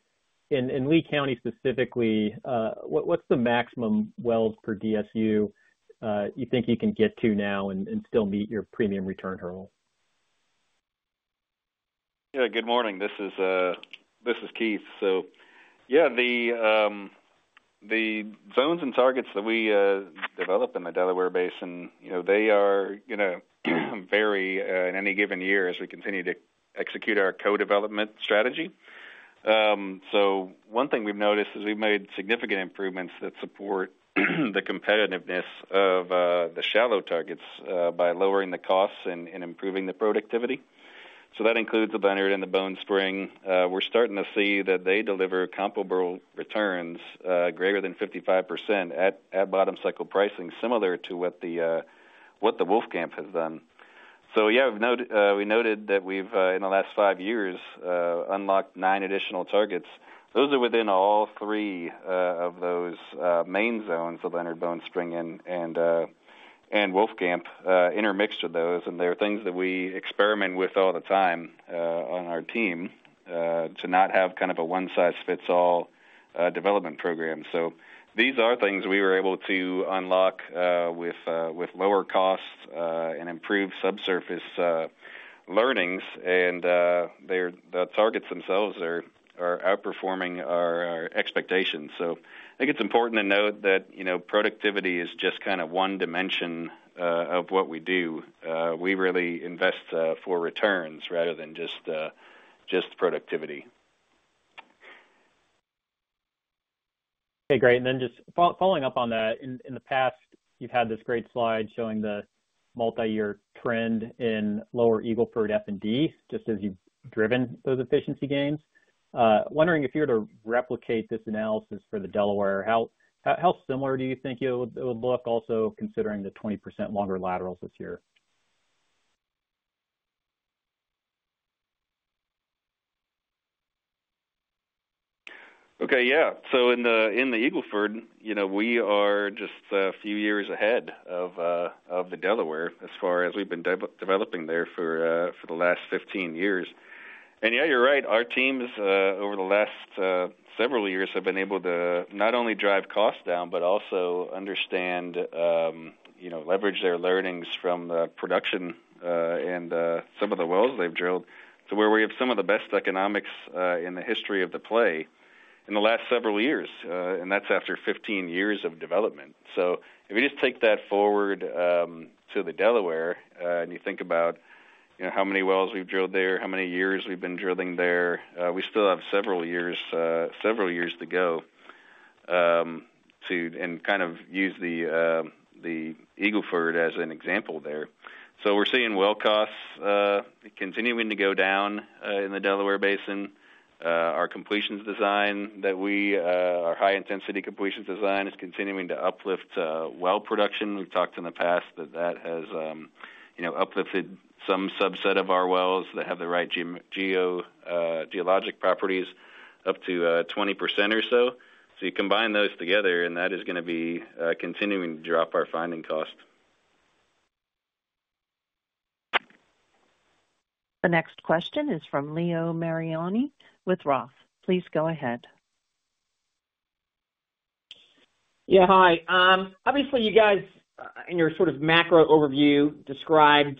in Lea County specifically, what's the maximum wells per DSU you think you can get to now and still meet your premium return hurdle? Yeah, good morning, this is Keith. Yeah. Zones and targets that we develop in the Delaware Basin, they are going to vary in any given year as we continue to execute our co development strategy. One thing we've noticed is we've. Made significant improvements that support the competitiveness of the shallow targets by lowering the costs and improving the productivity. That includes the Bennett and the Bone Spring. We're starting to see that they deliver comparable returns greater than 55% at bottom cycle pricing, similar to what the Wolfcamp has done. We noted that we've in the last five years unlocked nine additional targets. Those are within all three of those main zones of Leonard, Bone Spring, and Wolfcamp, intermixture those, and they're things that we experiment with all the time on our team to not have kind of a one size fits all development program. These are things we were able to unlock with lower cost and improved subsurface learnings, and the targets themselves are outperforming our expectations. I think it's important to note that productivity is just kind of one dimension of what we do. We really invest for returns rather than just productivity. Great. Following up on that, in the past you've had this great slide showing the multi-year trend in lower Eagle Ford F&D. As you driven those efficiency gains. Wondering if you're to replicate this analysis for the Delaware, how similar do you think it would look, also considering the. 20% longer laterals this year? Okay, yeah. In the Eagle Ford, you know, we are just a few years ahead of the Delaware as far as we've been developing there for the last 15 years. Yeah, you're right, our teams over the last several years have been able to not only drive costs down but also understand, you know, leverage their learnings from the production and some of the. Wells they've drilled to where we have. Some of the best economics in the history of the play in the last several years. That's after 15 years of development. If you just take that forward to the Delaware and you think about how many wells we've drilled there, how many years we've been drilling there, we still have several years, several. Years to go. We kind of use the Eagle Ford as an example there. We're seeing well costs continuing to go down in the Delaware Basin. Our completions design, our high intensity completions design, is continuing to uplift well production. We've talked in the past that that has uplifted some subset of our wells that have the right geologic properties up to 20% or so. You combine those together and that is going to be continuing to drop our finding cost. The next question is from Leo Mariani with Roth Yeah, hi. Obviously you guys in your sort of macro overview described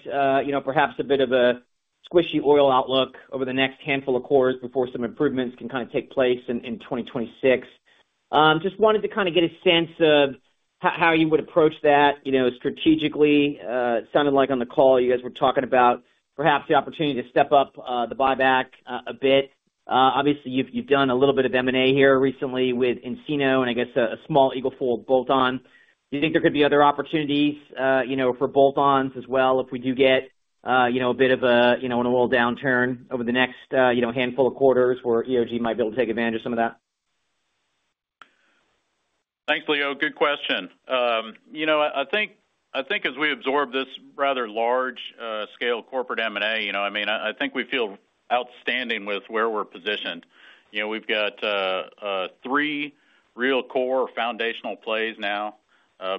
perhaps a bit of a squishy oil outlook over the next handful of quarters before some improvements can kind of take place in 2026. Just wanted to kind of get a sense of how you would approach that strategically. Sounded like on the call you guys were talking about perhaps the opportunity to step up the buyback a bit. Obviously you've done a little bit of M&A here recently with Encino and I guess a small Eagle Ford bolt-on. Do you think there could be other opportunities, you know, for bolt-ons as well if we do get, you know, a bit of a, you know, an oil downturn over the next, you know, handful of quarters where EOG might be able to take advantage of some of that? Thanks, Leo. Good question. I think as we absorb this rather large scale corporate M&A, we feel outstanding with where we're positioned. We've got three real core foundational plays now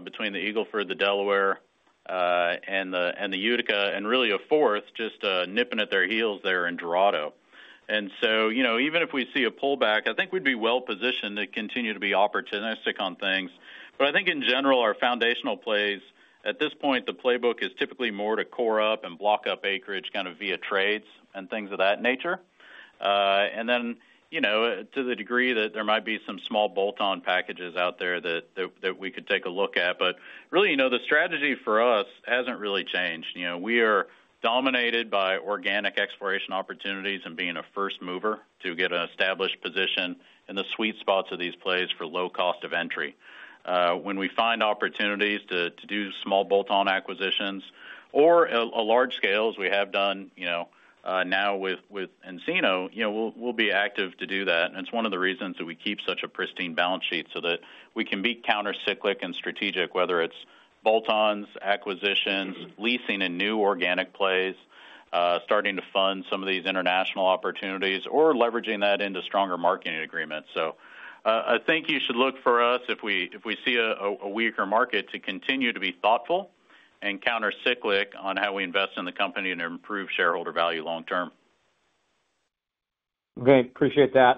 between the Eagle Ford, the Delaware, and the Utica, and really a fourth just nipping at their heels there in Dorado. Even if we see a pullback, I think we'd be well positioned to continue to be opportunistic on things. In general, our foundational plays at this point, the playbook is typically more to core up and block up acreage kind of via trades and things of that nature. To the degree that there might be some small bolt-on packages out there that we could take a look at. Really, the strategy for us hasn't really changed. We are dominated by organic exploration opportunities and being a first mover to get an established position in the sweet spots of these plays for low cost of entry. When we find opportunities to do small bolt-on acquisitions or a large scale, as we have done now with Encino, we'll be active to do that. It's one of the reasons that we keep such a pristine balance sheet so that we can be countercyclic and strategic whether it's bolt-ons, acquisitions, leasing in new organic plays, starting to fund some of these international opportunities, or leveraging that into stronger marketing agreements. I think you should look for us, if we see a weaker market, to continue to be thoughtful and countercyclic on how we invest in the company and improve shareholder value long term. Great. Appreciate that.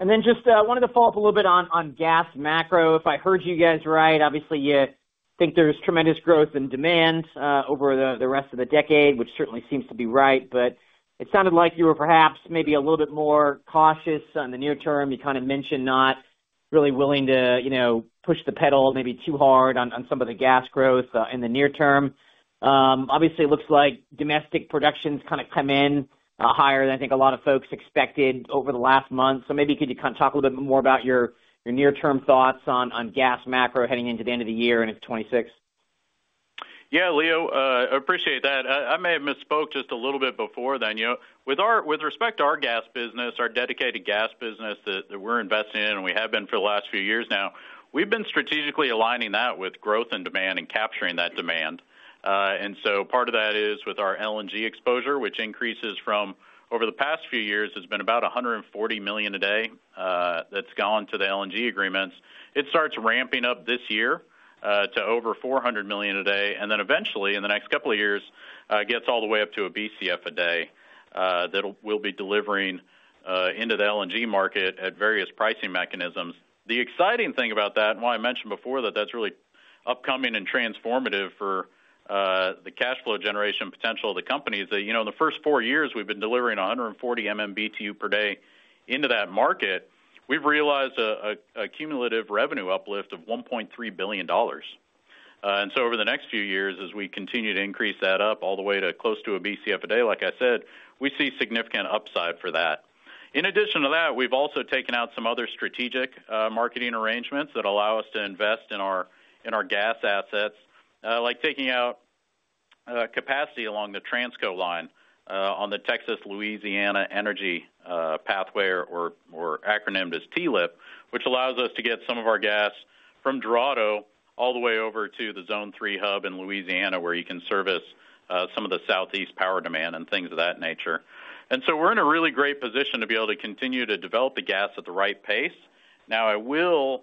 I just wanted to follow up a little bit on gas macro. If I heard you guys right, obviously you think there's tremendous growth in demand over the rest of the decade, which certainly seems to be right. It sounded like you were perhaps maybe a little bit more cautious on the near term. You kind of mentioned not really willing to, you know, push the pedal maybe too hard on some of the gas growth in the near term. Obviously, it looks like domestic production's kind of come in higher than I think a lot of folks expected over the last month. Maybe could you kind of talk a little bit more about your near term thoughts on gas macro heading into the end of the year and 2026. Yeah, Leo, I appreciate that I may have misspoke just a little bit before then. You know, with respect to our gas business, our dedicated gas business that we're investing in and we have been for the last few years now, we've been strategically aligning that with growth and demand and capturing that demand. Part of that is with our LNG exposure, which increases from over the past few years, has been about 140 million a day that's gone to the LNG agreements. It starts ramping up this year to over 400 million a day and then eventually in the next couple of years gets all the way up to a BCF a day that will be delivering into the LNG market at various pricing mechanisms. The exciting thing about that and why I mentioned before that that's really upcoming and transformative for the cash flow generation potential of the company is that, you know, in the first four years we've been delivering 140 MMBTU per day into that market. We've realized a cumulative revenue uplift of $1.3 billion. Over the next few years as we continue to increase that up all the way to close to a BCF a day, like I said, we see significant upside for that. In addition to that, we've also taken out some other strategic marketing arrangements that allow us to invest in our gas assets, like taking out capacity along the Transco line on the Texas Louisiana Energy Pathway, or acronym as TLEP, which allows us to get some of our gas from Dorado all the way over to the Zone 3 hub in Louisiana, where you can service some of the southeast power demand and things of that nature. We're in a really great position to be able to continue to develop the gas at the right pace. I will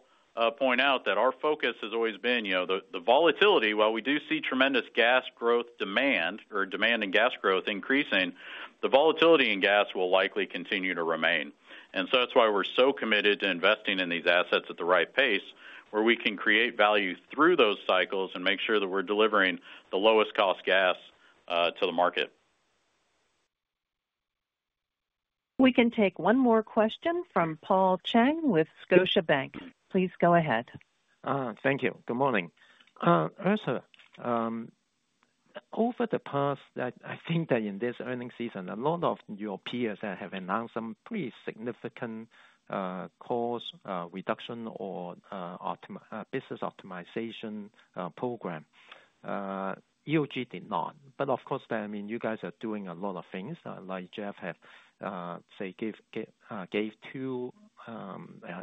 point out that our focus has always been, you know, the volatility. While we do see tremendous gas growth, demand or demand and gas growth increasing, the volatility in gas will likely continue to remain. That's why we're so committed to investing in these assets at the right pace where we can create value through those cycles and make sure that we're delivering the lowest cost gas to the market. We can take one more question from Paul Chang with Scotiabank. Please go ahead. Thank you. Good morning. Ezra, over the past, I think that in this earnings season a lot of your peers have announced some pretty significant cost reduction or business optimization program. EOG did not, but of course, I mean you guys are doing a lot of things like Jeff gave two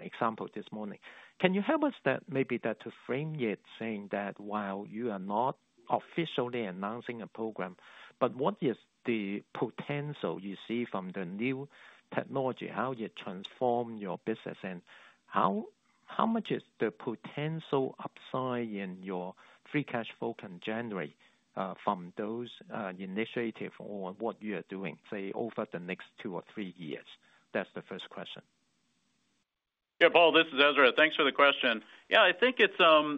examples this morning. Can you help us maybe to frame that, saying that while you are not officially announcing a program, what is the potential you see from the new technology, how you transform your business, and how much is the potential upside in your free cash flow you can generate from those initiatives or what you are doing, say, over the next two or three years? That's the first question. Yeah, Paul, this is Ezra. Thanks for the question. I think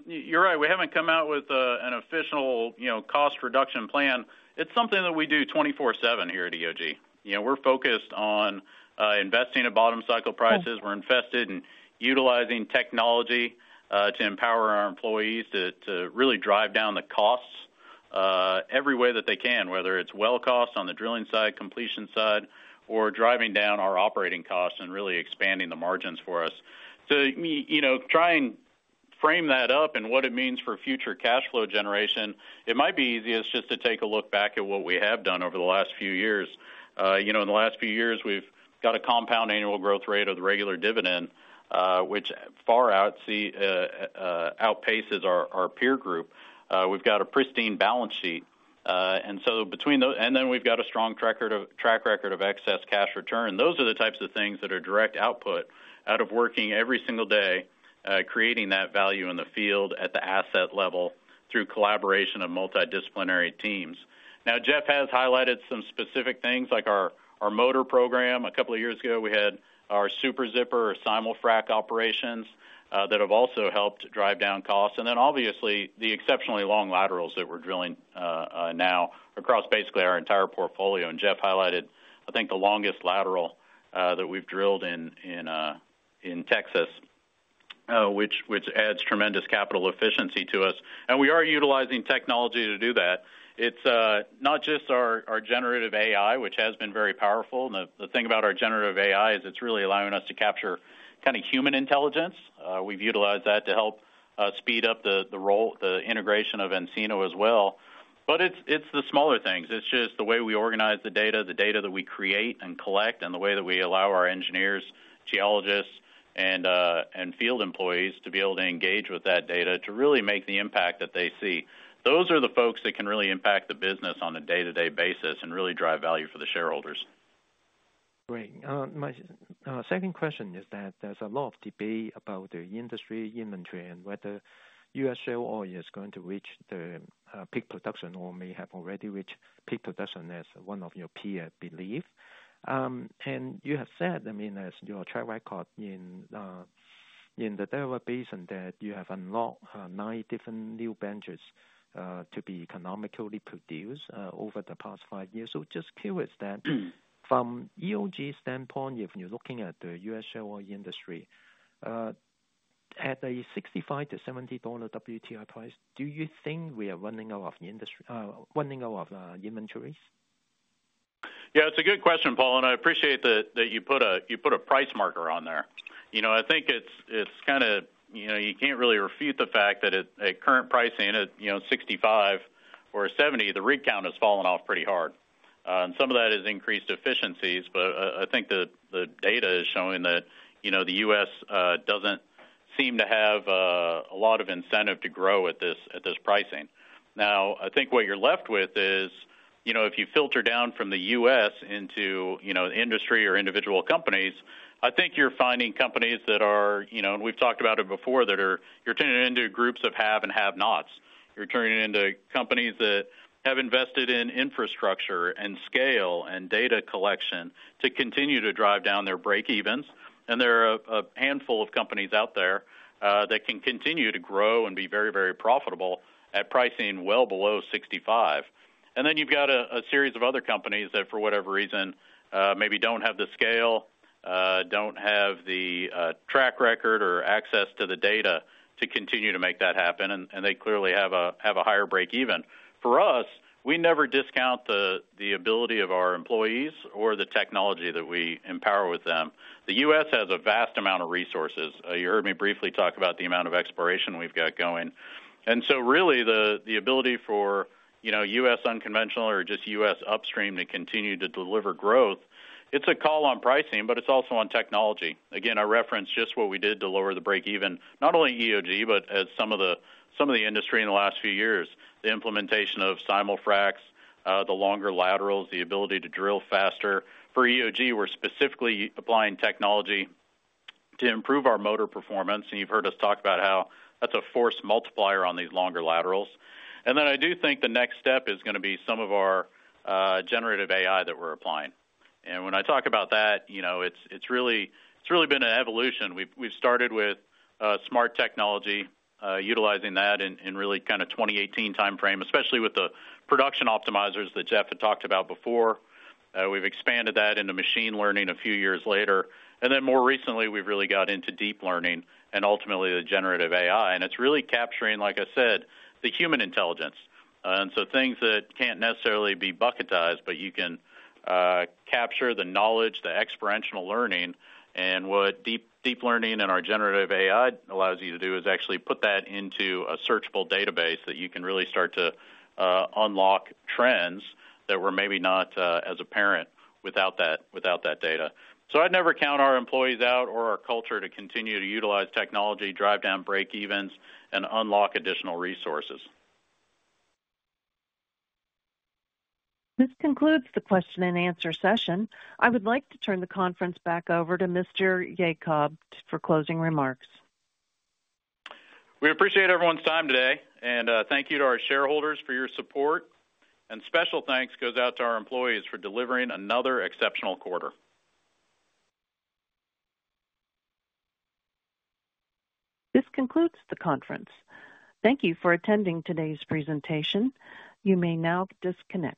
you're right. We haven't come out with an official, you know, cost reduction plan. It's something that we do 24/7 here at EOG. We're focused on investing in bottom cycle prices. We're invested in utilizing technology to empower our employees to really drive down the costs every way that they can, whether it's well costs on the drilling side, completion side, or driving down our operating costs and really expanding the margins for us. You know, try and frame that up and what it means for future cash flow generation. It might be easiest just to take a look back at what we have done over the last few years. In the last few years we've got a compound annual growth rate of the regular dividend which far outpaces our peer group. We've got a pristine balance sheet and so between those and then we've got a strong track record of excess cash return. Those are the types of things that are direct output out of working every single day, creating that value in the field at the asset level through collaboration of multidisciplinary teams. Jeff has highlighted some specific things like our motor program. A couple of years ago we had our Super Zipper or Simulfrac operations that have also helped drive down costs. Obviously the exceptionally long laterals that we're drilling now across basically our entire portfolio. Jeff highlighted, I think, the longest lateral that we've drilled in Texas, which adds tremendous capital efficiency to us. We are utilizing technology to do that. It's not just our generative AI which has been very powerful. The thing about our generative AI is it's really allowing us to capture kind of human intelligence. We've utilized that to help speed up the integration of Encino as well. It's the smaller things, it's just the way we organize the data, the data that we create and collect and the way that we allow our engineers, geologists and field employees to be able to engage with that data to really make the impact that they see. Those are the folks that can really impact the business on a day to day basis and really drive value for the shareholders. Great. My second question is that there's a lot of debate about the industry inventory and whether U.S. shale oil is going to reach the peak production or may have already reached peak production as one of your peers believe. You have said as your track record in the Delaware Basin that you have unlocked nine different new benches to be economically produce over the past five years. Just curious that from EOG standpoint, if you're looking at the U.S. shale oil industry at a $65-$70 WTI price, do you think we are running out of the industry running out of inventories? Yeah, it's a good question, Paul, and I appreciate that you put a price marker on there. I think it's kind of, you know, you can't really refute the fact that at current pricing at $65-$70, the rig count has fallen off pretty hard and some of that is increased efficiencies. I think that the data is showing that the U.S. doesn't seem to have a lot of incentive to grow at this pricing. Now I think what you're left with is, if you filter down from the U.S. into industry or individual companies, I think you're finding companies that are, and we've talked about it before, that are, you're turning it into groups of have and have nots, you're turning it into companies that have invested in infrastructure and scale and data collection to continue to drive down their breakevens. There are a handful of companies out there that can continue to grow and be very, very profitable at pricing well below $65. Then you've got a series of other companies that for whatever reason maybe don't have the scale, don't have the track record or access to the data to continue to make that happen. They clearly have a higher breakeven. For us, we never discount the ability of our employees or the technology that we empower with them. The U.S. has a vast amount of resources. You heard me briefly talk about the amount of exploration we've got going and so really the ability for U.S. unconventional or just U.S. upstream to continue to deliver growth. It's a call on pricing, but it's also on technology. Again, I referenced just what we did to lower the breakeven not only at EOG, but at some of the industry in the last few years. The implementation of Simo-fracs, the longer laterals, the ability to drill faster. For EOG, we're specifically applying technology to improve our motor performance. You've heard us talk about how that's a force multiplier on these longer laterals. I do think the next step is going to be some of our generative AI that we're applying. When I talk about that, it's really been an evolution. We've started with smart technology, utilizing that in really kind of the 2018 timeframe, especially with the production optimizers that Jeff had talked about before. We've expanded that into machine learning a few years later. More recently we've really got into deep learning and ultimately the generative AI. It is really capturing, like I said, the human intelligence. Things that cannot necessarily be bucketized, but you can capture the knowledge, the exponential learning. What deep learning and our generative AI platforms allow you to do is actually put that into a searchable database that you can really start to unlock trends that were maybe not as apparent without that data. I would never count our employees out or our culture to continue to utilize technology, drive down breakevens, and unlock additional resources. This concludes the question and answer session. I would like to turn the conference back over to Mr. Yacob for closing remarks. We appreciate everyone's time today and thank you to our shareholders for your support. Special thanks goes out to our employees for delivering another exceptional quarter. This concludes the conference. Thank you for attending today's presentation. You may now disconnect.